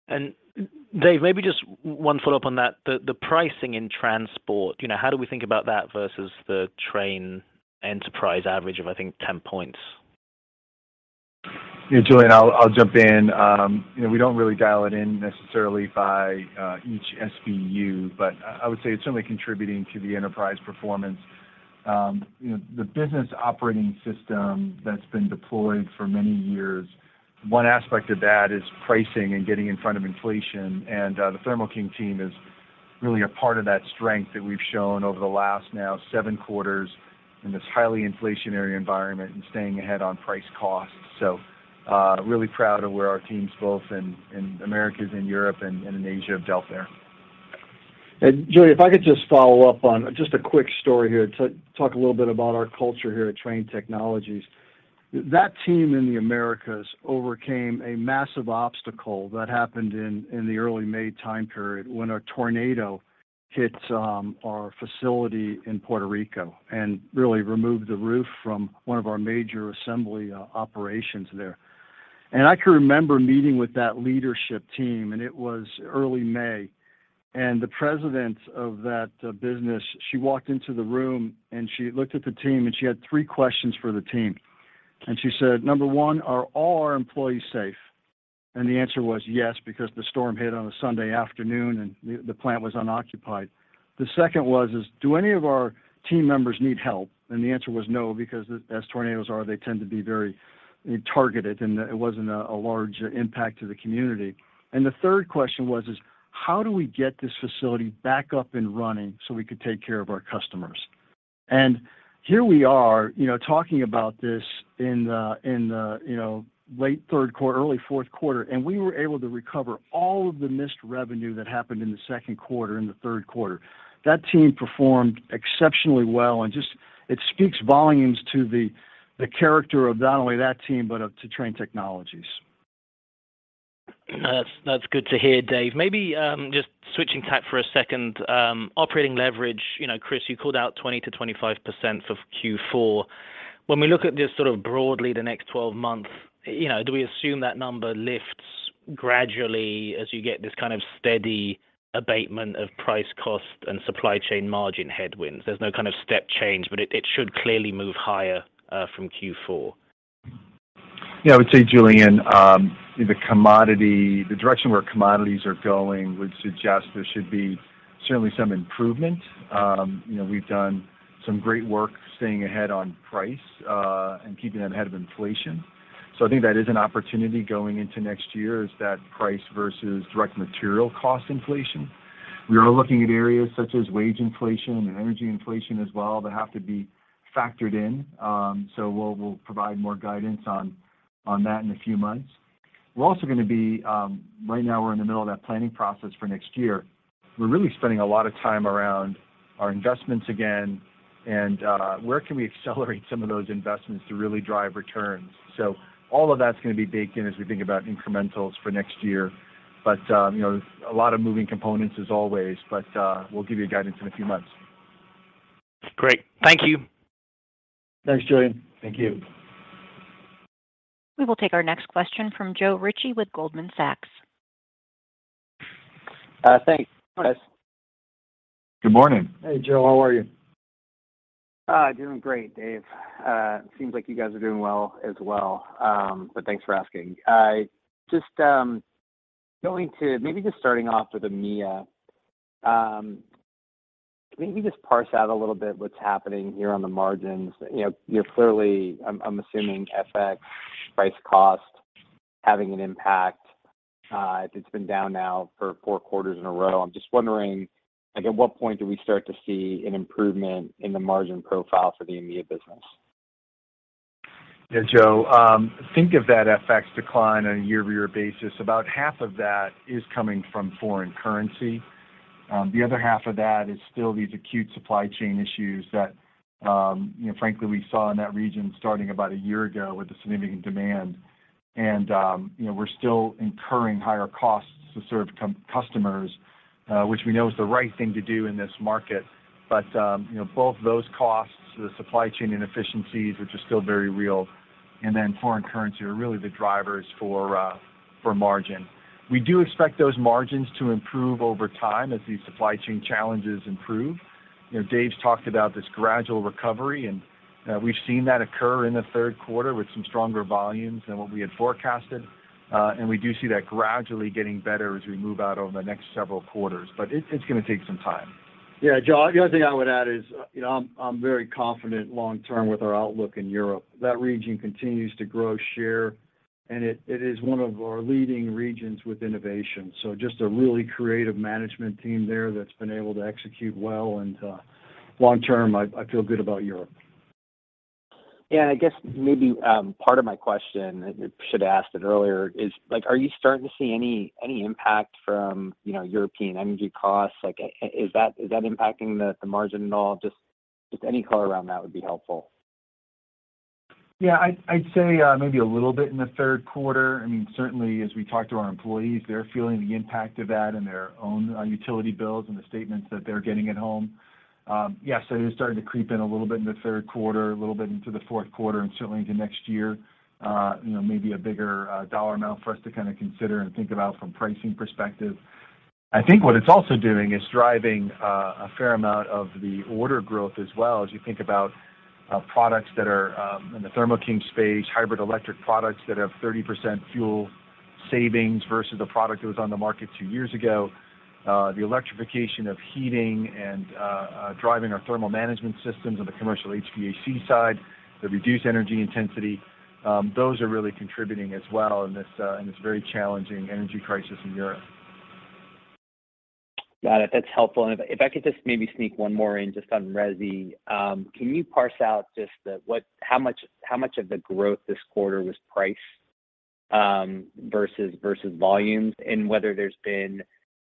Dave, maybe just one follow-up on that. The pricing in transport, you know, how do we think about that versus the Trane enterprise average of, I think, 10 points? Yeah, Julian, I'll jump in. You know, we don't really dial it in necessarily by each SBU, but I would say it's certainly contributing to the enterprise performance. You know, the business operating system that's been deployed for many years, one aspect of that is pricing and getting in front of inflation. The Thermo King team is really a part of that strength that we've shown over the last now seven quarters in this highly inflationary environment and staying ahead on price cost. Really proud of where our teams both in Americas, in Europe and in Asia have dealt there. Julian, if I could just follow up on just a quick story here, talk a little bit about our culture here at Trane Technologies. That team in the Americas overcame a massive obstacle that happened in the early May time period when a tornado hit our facility in Puerto Rico and really removed the roof from one of our major assembly operations there. I can remember meeting with that leadership team, and it was early May. The president of that business, she walked into the room, and she looked at the team, and she had three questions for the team. She said, "Number one, are all our employees safe?" The answer was yes, because the storm hit on a Sunday afternoon, and the plant was unoccupied. The second was, "Do any of our team members need help?" The answer was no, because as tornadoes are, they tend to be very targeted, and it wasn't a large impact to the community. The third question was, "How do we get this facility back up and running so we could take care of our customers?" Here we are, you know, talking about this in the you know late third quarter, early fourth quarter, and we were able to recover all of the missed revenue that happened in the second quarter and the third quarter. That team performed exceptionally well, and it just speaks volumes to the character of not only that team, but to Trane Technologies. That's good to hear, Dave. Maybe just switching tack for a second, operating leverage, you know, Chris, you called out 20%-25% for Q4. When we look at just sort of broadly the next 12 months, you know, do we assume that number lifts gradually as you get this kind of steady abatement of price cost and supply chain margin headwinds? There's no kind of step change, but it should clearly move higher from Q4. Yeah. I would say, Julian, the commodity, the direction where commodities are going would suggest there should be certainly some improvement. You know, we've done some great work staying ahead on price, and keeping them ahead of inflation. I think that is an opportunity going into next year is that price versus direct material cost inflation. We are looking at areas such as wage inflation and energy inflation as well that have to be factored in. We'll provide more guidance on that in a few months. We're also gonna be right now we're in the middle of that planning process for next year. We're really spending a lot of time around our investments again and, where can we accelerate some of those investments to really drive returns. All of that's gonna be baked in as we think about incrementals for next year. You know, there's a lot of moving components as always, but we'll give you guidance in a few months. Great. Thank you. Thanks, Julian. Thank you. We will take our next question from Joe Ritchie with Goldman Sachs. Thanks. Good morning. Hey, Joe. How are you? Doing great, Dave. Seems like you guys are doing well as well. Thanks for asking. I'm just going to start off with EMEA. Can you just parse out a little bit what's happening here on the margins? You know, you're clearly, I'm assuming FX price cost having an impact. It's been down now for four quarters in a row. I'm just wondering, like, at what point do we start to see an improvement in the margin profile for the EMEA business? Yeah, Joe, think of that FX decline on a year-over-year basis. About half of that is coming from foreign currency. The other half of that is still these acute supply chain issues that, you know, frankly, we saw in that region starting about a year ago with the significant demand. You know, we're still incurring higher costs to serve customers, which we know is the right thing to do in this market. You know, both those costs, the supply chain inefficiencies, which are still very real, and then foreign currency are really the drivers for margin. We do expect those margins to improve over time as these supply chain challenges improve. You know, Dave's talked about this gradual recovery, and we've seen that occur in the third quarter with some stronger volumes than what we had forecasted. We do see that gradually getting better as we move out over the next several quarters. It's gonna take some time. Yeah. Joe, the other thing I would add is, you know, I'm very confident long term with our outlook in Europe. That region continues to grow share. And it is one of our leading regions with innovation. Just a really creative management team there that's been able to execute well, and long term I feel good about Europe. Yeah. I guess maybe part of my question, I should have asked it earlier, is, like, are you starting to see any impact from, you know, European energy costs? Like, is that impacting the margin at all? Just any color around that would be helpful. Yeah. I'd say maybe a little bit in the third quarter. I mean, certainly as we talk to our employees, they're feeling the impact of that in their own utility bills and the statements that they're getting at home. Yes, it is starting to creep in a little bit in the third quarter, a little bit into the fourth quarter and certainly into next year. You know, maybe a bigger dollar amount for us to kinda consider and think about from pricing perspective. I think what it's also doing is driving a fair amount of the order growth as well as you think about products that are in the Thermo King space, hybrid electric products that have 30% fuel savings versus a product that was on the market two years ago. The electrification of heating and driving our Thermal Management Systems on the commercial HVAC side, the reduced energy intensity, those are really contributing as well in this very challenging energy crisis in Europe. Got it. That's helpful. If I could just maybe sneak one more in just on resi. Can you parse out how much of the growth this quarter was price versus volumes, and whether there's been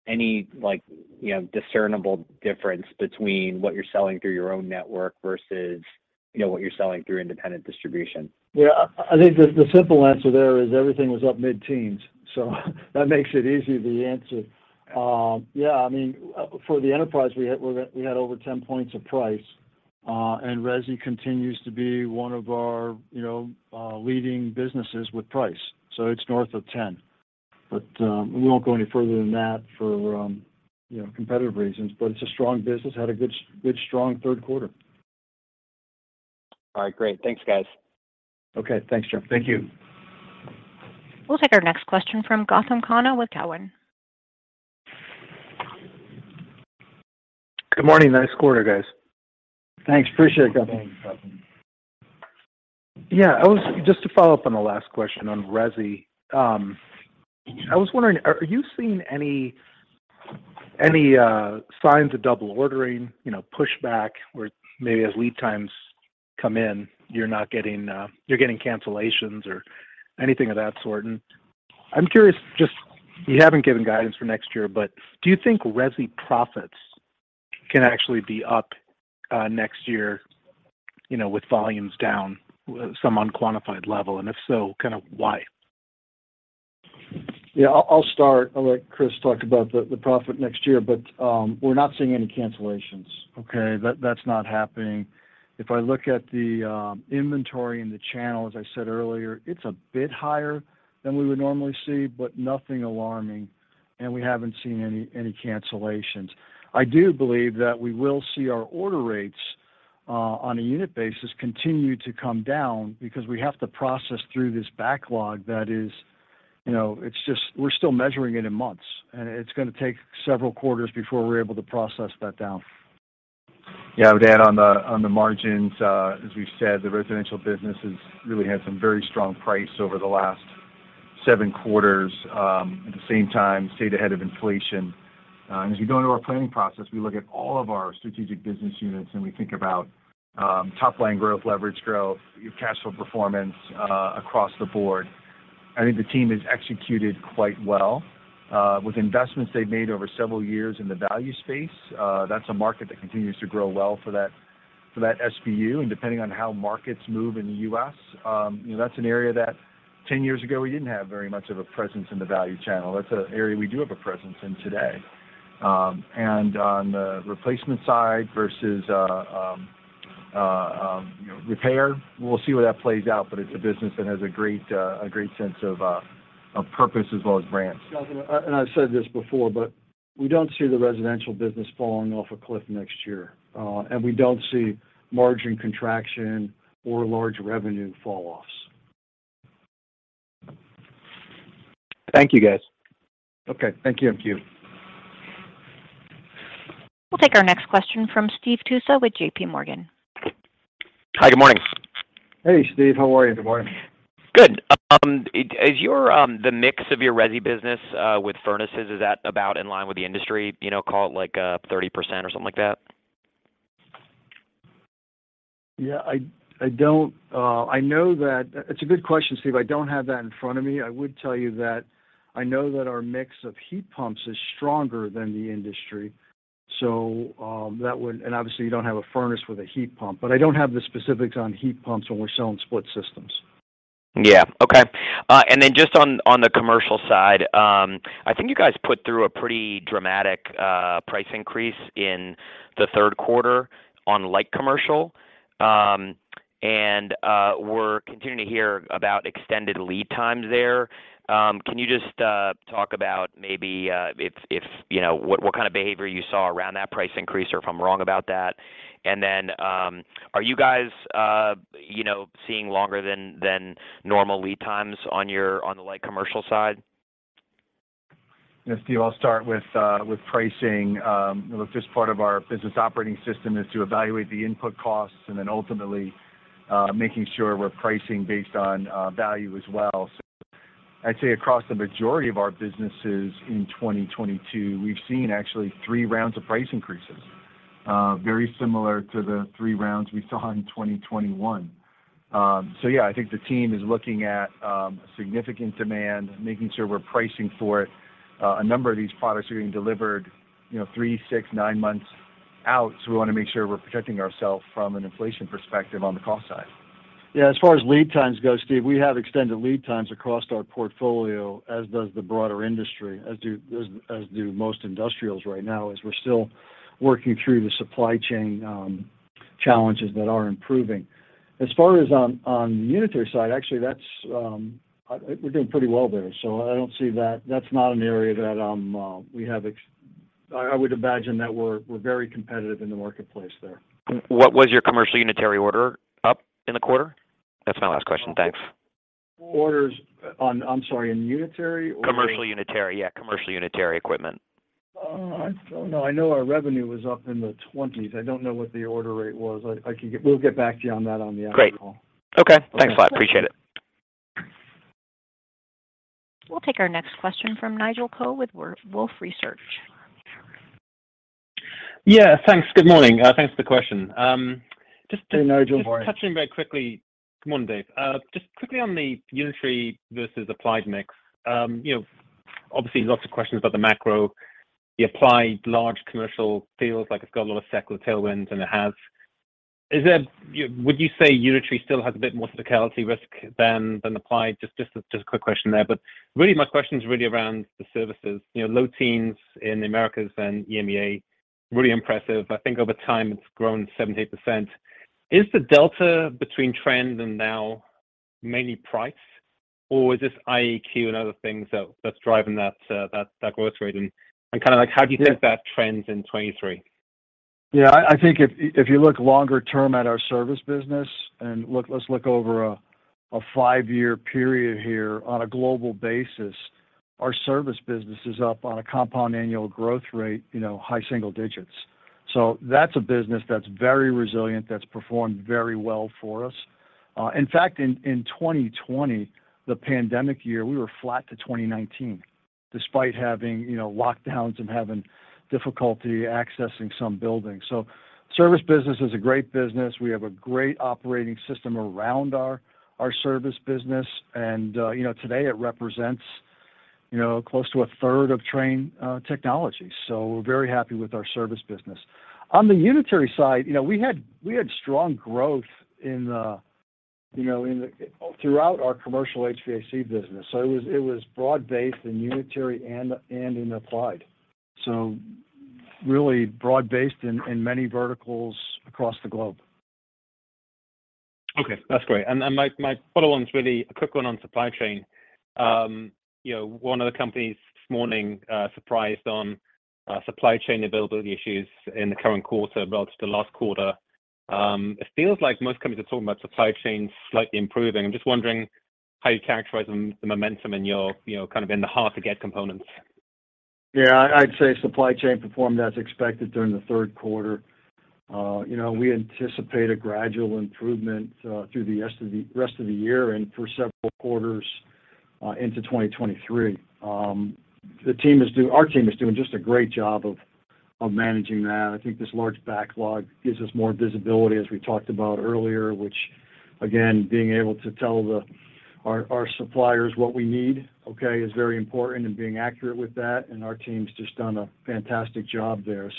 any, like, you know, discernible difference between what you're selling through your own network versus, you know, what you're selling through independent distribution? Yeah. I think the simple answer there is everything was up mid-teens, so that makes it easy to answer. Yeah, I mean, for the enterprise, we had over 10 points of price. Resi continues to be one of our, you know, leading businesses with price, so it's north of 10. We won't go any further than that for, you know, competitive reasons. It's a strong business. Had a good, strong third quarter. All right. Great. Thanks, guys. Okay. Thanks, Joe. Thank you. We'll take our next question from Gautam Khanna with Cowen. Good morning. Nice quarter, guys. Thanks. Appreciate it, Gautam. Thanks, Gautam. Yeah. Just to follow up on the last question on resi, I was wondering, are you seeing any signs of double ordering, you know, pushback, where maybe as lead times come in you're not getting, you're getting cancellations or anything of that sort? I'm curious just, you haven't given guidance for next year, but do you think resi profits can actually be up next year, you know, with volumes down some unquantified level, and if so, kind of why? Yeah. I'll start. I'll let Chris talk about the profit next year. We're not seeing any cancellations. Okay. That's not happening. If I look at the inventory in the channel, as I said earlier, it's a bit higher than we would normally see, but nothing alarming, and we haven't seen any cancellations. I do believe that we will see our order rates on a unit basis continue to come down because we have to process through this backlog that is, you know, it's just we're still measuring it in months. It's gonna take several quarters before we're able to process that down. Yeah. I would add on the margins, as we've said, the residential business has really had some very strong price over the last seven quarters, at the same time stayed ahead of inflation. As we go into our planning process, we look at all of our strategic business units and we think about top line growth, leverage growth, your cash flow performance across the board. I think the team has executed quite well. With investments they've made over several years in the value space, that's a market that continues to grow well for that SBU. Depending on how markets move in the U.S., you know, that's an area that 10 years ago we didn't have very much of a presence in the value channel. That's an area we do have a presence in today. On the replacement side versus, you know, repair, we'll see where that plays out, but it's a business that has a great sense of purpose as well as brands. Gautam, and I, and I've said this before, but we don't see the residential business falling off a cliff next year, and we don't see margin contraction or large revenue fall-offs. Thank you, guys. Okay. Thank you. Thank you. We'll take our next question from Steve Tusa with JPMorgan. Hi. Good morning. Hey, Steve. How are you? Good morning. Good. Is your the mix of your resi business with furnaces, is that about in line with the industry? You know, call it like, 30% or something like that? Yeah. I know that. It's a good question, Steve. I don't have that in front of me. I would tell you that I know that our mix of heat pumps is stronger than the industry, so, and obviously you don't have a furnace with a heat pump, but I don't have the specifics on heat pumps when we're selling split systems. Yeah. Okay. Just on the commercial side, I think you guys put through a pretty dramatic price increase in the third quarter on light commercial, and we're continuing to hear about extended lead times there. Can you just talk about maybe if you know what kind of behavior you saw around that price increase or if I'm wrong about that? Are you guys you know seeing longer than normal lead times on the light commercial side? Yes, Steve, I'll start with with pricing. You know, look, just part of our business operating system is to evaluate the input costs and then ultimately making sure we're pricing based on value as well. I'd say across the majority of our businesses in 2022, we've seen actually three rounds of price increases very similar to the three rounds we saw in 2021. Yeah, I think the team is looking at significant demand, making sure we're pricing for it. A number of these products are being delivered, you know, three, six, nine months out, so we wanna make sure we're protecting ourselves from an inflation perspective on the cost side. Yeah. As far as lead times go, Steve, we have extended lead times across our portfolio, as does the broader industry, as do most industrials right now, as we're still working through the supply chain challenges that are improving. As far as on the unitary side, actually, that's. We're doing pretty well there. I don't see that. That's not an area that we have. I would imagine that we're very competitive in the marketplace there. What was your commercial unitary order up in the quarter? That's my last question. Thanks. In unitary or- Commercial unitary. Yeah, commercial unitary equipment. I don't know. I know our revenue was up in the 20s. I don't know what the order rate was. We'll get back to you on that on the after call. Great. Okay. Okay. Thanks a lot. Appreciate it. We'll take our next question from Nigel Coe with Wolfe Research. Yeah, thanks. Good morning. Thanks for the question. Just to- Hey, Nigel. Morning. Come on, Dave. Just quickly on the unitary versus applied mix, you know, obviously lots of questions about the macro. The applied large commercial feels like it's got a lot of secular tailwinds, and it has. Would you say unitary still has a bit more cyclicality risk than applied? Just a quick question there. But really my question is really around the services. You know, low teens in the Americas and EMEA, really impressive. I think over time it's grown 7-8%. Is the delta between trend and now mainly price, or is this IAQ and other things that's driving that growth rate? And kind of like how do you think that trends in 2023? I think if you look longer term at our service business, and look, let's look over a five-year period here on a global basis, our service business is up on a compound annual growth rate, you know, high single digits. So that's a business that's very resilient, that's performed very well for us. In fact, in 2020, the pandemic year, we were flat to 2019, despite having, you know, lockdowns and having difficulty accessing some buildings. So service business is a great business. We have a great operating system around our service business, and, you know, today it represents, you know, close to a third of Trane Technologies. So we're very happy with our service business. On the unitary side, you know, we had strong growth throughout our commercial HVAC business. It was broad-based in unitary and in applied. Really broad-based in many verticals across the globe. Okay, that's great. Then my follow-on's really a quick one on supply chain. You know, one of the companies this morning surprised on supply chain availability issues in the current quarter relative to last quarter. It feels like most companies are talking about supply chain slightly improving. I'm just wondering how you characterize the momentum in your, you know, kind of in the hard-to-get components. Yeah. I'd say supply chain performed as expected during the third quarter. You know, we anticipate a gradual improvement through the rest of the year and through several quarters into 2023. Our team is doing just a great job of managing that. I think this large backlog gives us more visibility as we talked about earlier, which again, being able to tell our suppliers what we need, okay, is very important and being accurate with that, and our team's just done a fantastic job there.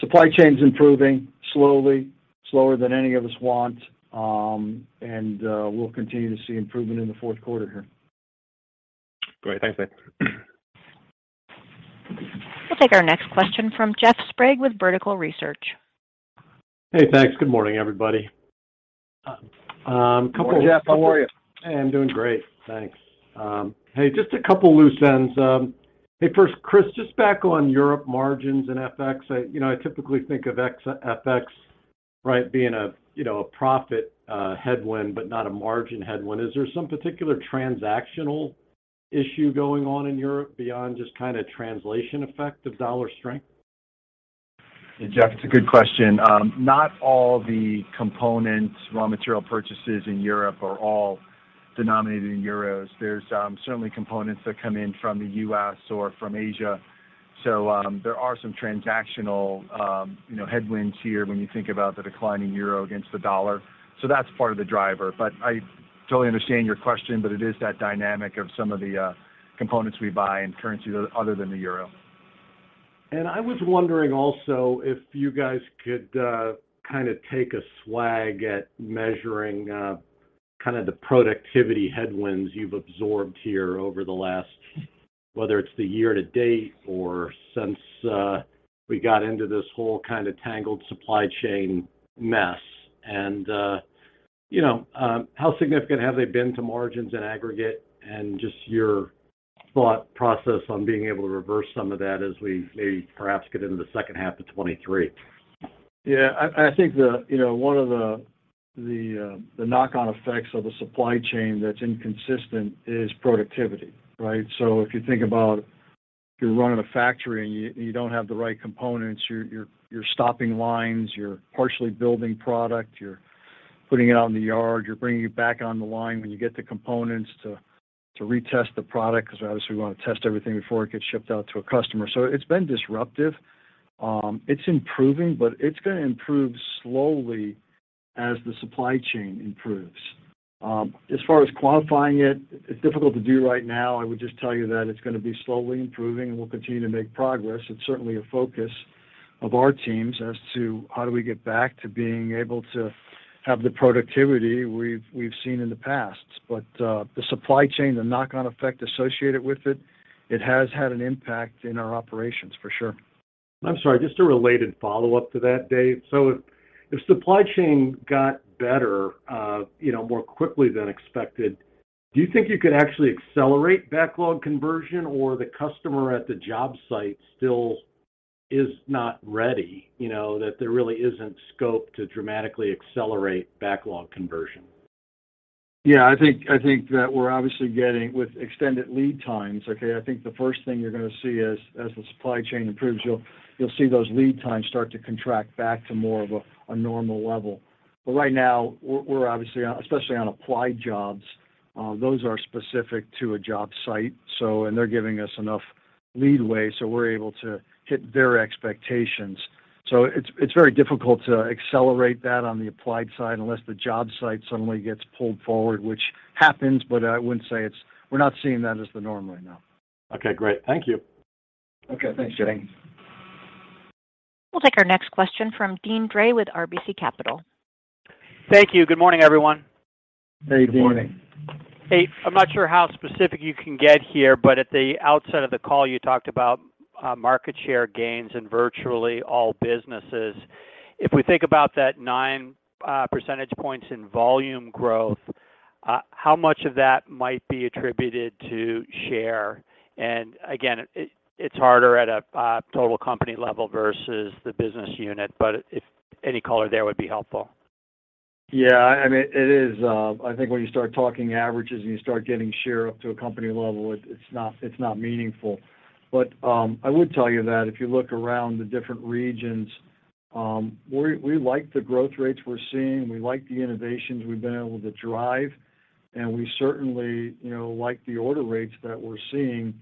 Supply chain's improving slowly, slower than any of us want. We'll continue to see improvement in the fourth quarter here. Great. Thanks, Dave. We'll take our next question from Jeff Sprague with Vertical Research. Hey, thanks. Good morning, everybody. Good morning, Jeff. How are you? Hey, I'm doing great. Thanks. Hey, just a couple loose ends. Hey, first, Chris, just back on Europe margins and FX, you know, I typically think of ex-FX, right, being a, you know, a profit headwind but not a margin headwind. Is there some particular transactional issue going on in Europe beyond just kinda translation effect of dollar strength? Hey, Jeff. It's a good question. Not all the components, raw material purchases in Europe are all denominated in euros. There's certainly components that come in from the U.S. or from Asia. There are some transactional, you know, headwinds here when you think about the declining euro against the dollar. That's part of the driver. I totally understand your question, but it is that dynamic of some of the components we buy in currency other than the euro. I was wondering also if you guys could kinda take a swag at measuring kinda the productivity headwinds you've absorbed here over the last, whether it's the year to date or since we got into this whole kinda tangled supply chain mess. You know, how significant have they been to margins in aggregate and just your thought process on being able to reverse some of that as we maybe perhaps get into the second half of 2023? Yeah. I think you know one of the knock-on effects of a supply chain that's inconsistent is productivity, right? If you think about you are running a factory and you don't have the right components, you are stopping lines, you are partially building product, you are putting it out in the yard, you are bringing it back on the line when you get the components to retest the product, because obviously we want to test everything before it gets shipped out to a customer. It's been disruptive. It's improving, but it's gonna improve slowly as the supply chain improves. As far as qualifying it's difficult to do right now. I would just tell you that it's gonna be slowly improving, and we'll continue to make progress. It's certainly a focus of our teams as to how do we get back to being able to have the productivity we've seen in the past. The supply chain, the knock-on effect associated with it has had an impact in our operations, for sure. I'm sorry, just a related follow-up to that, Dave. If supply chain got better, you know, more quickly than expected, do you think you could actually accelerate backlog conversion, or the customer at the job site still is not ready, you know, that there really isn't scope to dramatically accelerate backlog conversion? Yeah. I think that we're obviously dealing with extended lead times. Okay, I think the first thing you're gonna see as the supply chain improves, you'll see those lead times start to contract back to more of a normal level. Right now we're obviously, especially on applied jobs, those are specific to a job site, so and they're giving us enough leeway, so we're able to hit their expectations. It's very difficult to accelerate that on the applied side unless the job site suddenly gets pulled forward, which happens. We're not seeing that as the norm right now. Okay, great. Thank you. Okay. Thanks, Dave. Thanks. We'll take our next question from Deane Dray with RBC Capital. Thank you. Good morning, everyone. Hey, Deane. Good morning. Hey, I'm not sure how specific you can get here, but at the outset of the call, you talked about market share gains in virtually all businesses. If we think about that 9 percentage points in volume growth, how much of that might be attributed to share? Again, it's harder at a total company level versus the business unit, but if any color there would be helpful. Yeah. I mean, it is, I think when you start talking averages and you start getting share up to a company level, it's not meaningful. I would tell you that if you look around the different regions, we like the growth rates we're seeing. We like the innovations we've been able to drive, and we certainly, you know, like the order rates that we're seeing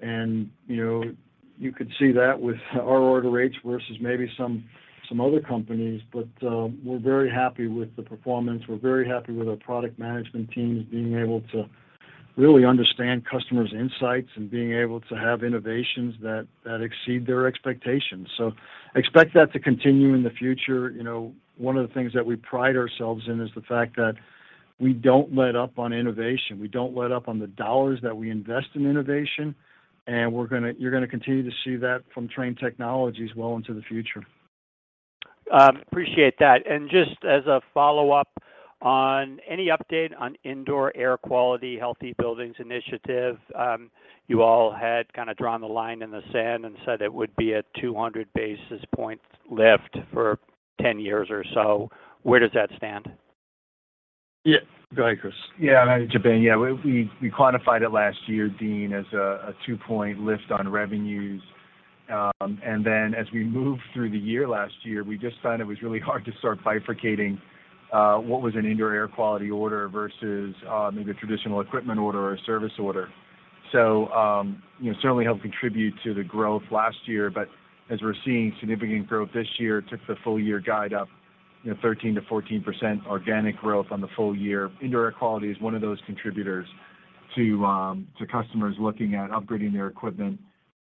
and, you know, you could see that with our order rates versus maybe some other companies. We're very happy with the performance. We're very happy with our product management teams being able to really understand customers' insights and being able to have innovations that exceed their expectations. Expect that to continue in the future. You know, one of the things that we pride ourselves in is the fact that we don't let up on innovation. We don't let up on the dollars that we invest in innovation, and you're gonna continue to see that from Trane Technologies well into the future. Appreciate that. Just as a follow-up on any update on indoor air quality, Healthy Buildings initiative, you all had kind of drawn the line in the sand and said it would be a 200 basis point lift for 10 years or so. Where does that stand? Yeah. Go ahead, Chris. Yeah. To Deane, we quantified it last year, Deane, as a 2-point lift on revenues. Then as we moved through the year last year, we just found it was really hard to start bifurcating what was an indoor air quality order versus maybe a traditional equipment order or a service order. You know, certainly helped contribute to the growth last year. As we're seeing significant growth this year, it took the full year guide up, you know, 13%-14% organic growth on the full year. Indoor air quality is one of those contributors to customers looking at upgrading their equipment,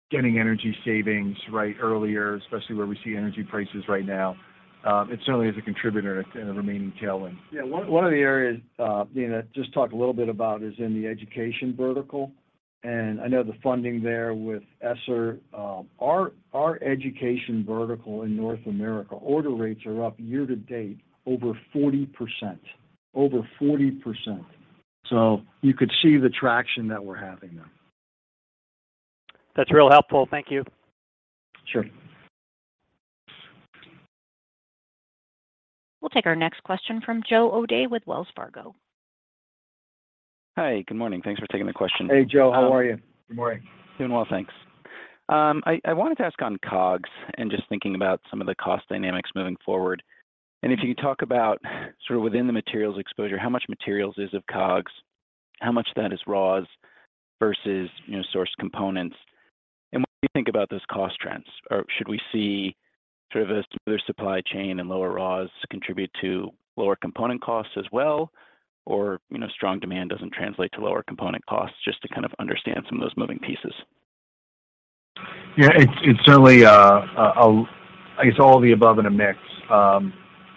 getting energy savings right earlier, especially where we see energy prices right now. It certainly is a contributor in the remaining tailwind. One of the areas, Dean, I just talked a little bit about is in the education vertical, and I know the funding there with ESSER. Our education vertical in North America order rates are up year to date over 40%. You could see the traction that we're having there. That's really helpful. Thank you. Sure. We'll take our next question from Joe O'Dea with Wells Fargo. Hi. Good morning. Thanks for taking the question. Hey, Joe. How are you? Good morning. Doing well, thanks. I wanted to ask on COGS and just thinking about some of the cost dynamics moving forward. If you could talk about sort of within the materials exposure, how much materials is of COGS, how much of that is raws versus, you know, source components? What do you think about those cost trends? Should we see sort of a smoother supply chain and lower raws contribute to lower component costs as well? You know, strong demand doesn't translate to lower component costs, just to kind of understand some of those moving pieces. Yeah. It's certainly all of the above in a mix.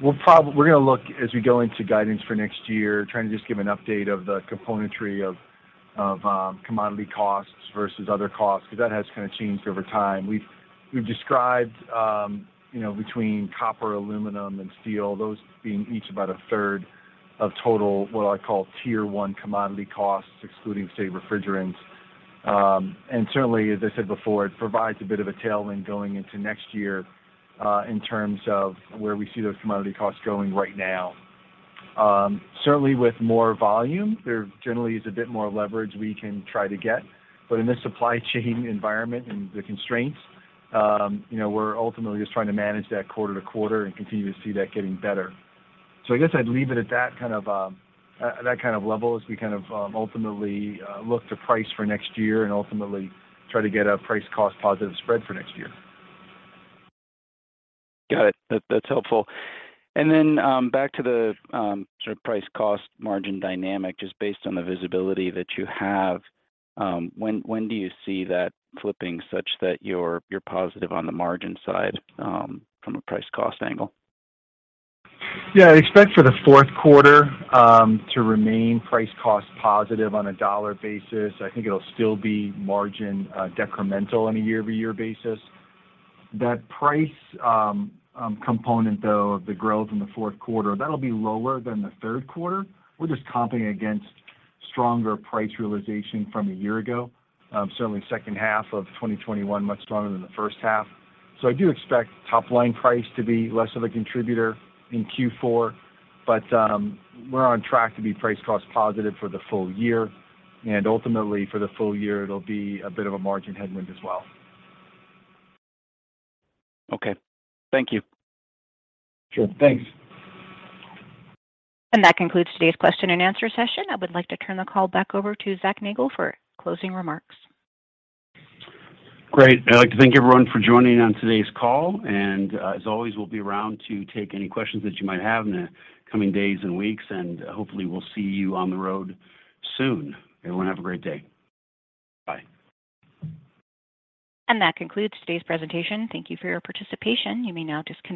We're gonna look as we go into guidance for next year, trying to just give an update of the componentry of commodity costs versus other costs, 'cause that has kind of changed over time. We've described, you know, between copper, aluminum, and steel, those being each about a third of total, what I call tier one commodity costs, excluding, say, refrigerants. Certainly, as I said before, it provides a bit of a tailwind going into next year, in terms of where we see those commodity costs going right now. Certainly with more volume, there generally is a bit more leverage we can try to get. In this supply chain environment and the constraints, you know, we're ultimately just trying to manage that quarter to quarter and continue to see that getting better. I guess I'd leave it at that kind of, at that kind of level as we kind of, ultimately, look to price for next year and ultimately try to get a price cost positive spread for next year. Got it. That's helpful. Back to the sort of price cost margin dynamic, just based on the visibility that you have, when do you see that flipping such that you're positive on the margin side, from a price cost angle? Yeah. I expect for the fourth quarter to remain price cost positive on a dollar basis. I think it'll still be margin decremental on a year-over-year basis. That price component though of the growth in the fourth quarter, that'll be lower than the third quarter. We're just comping against stronger price realization from a year ago. Certainly second half of 2021 much stronger than the first half. I do expect top-line price to be less of a contributor in Q4, but we're on track to be price cost positive for the full year. Ultimately, for the full year, it'll be a bit of a margin headwind as well. Okay. Thank you. Sure. Thanks. That concludes today's question and answer session. I would like to turn the call back over to Zachary Nagle for closing remarks. Great. I'd like to thank everyone for joining on today's call. As always, we'll be around to take any questions that you might have in the coming days and weeks, and hopefully we'll see you on the road soon. Everyone have a great day. Bye. That concludes today's presentation. Thank you for your participation. You may now disconnect.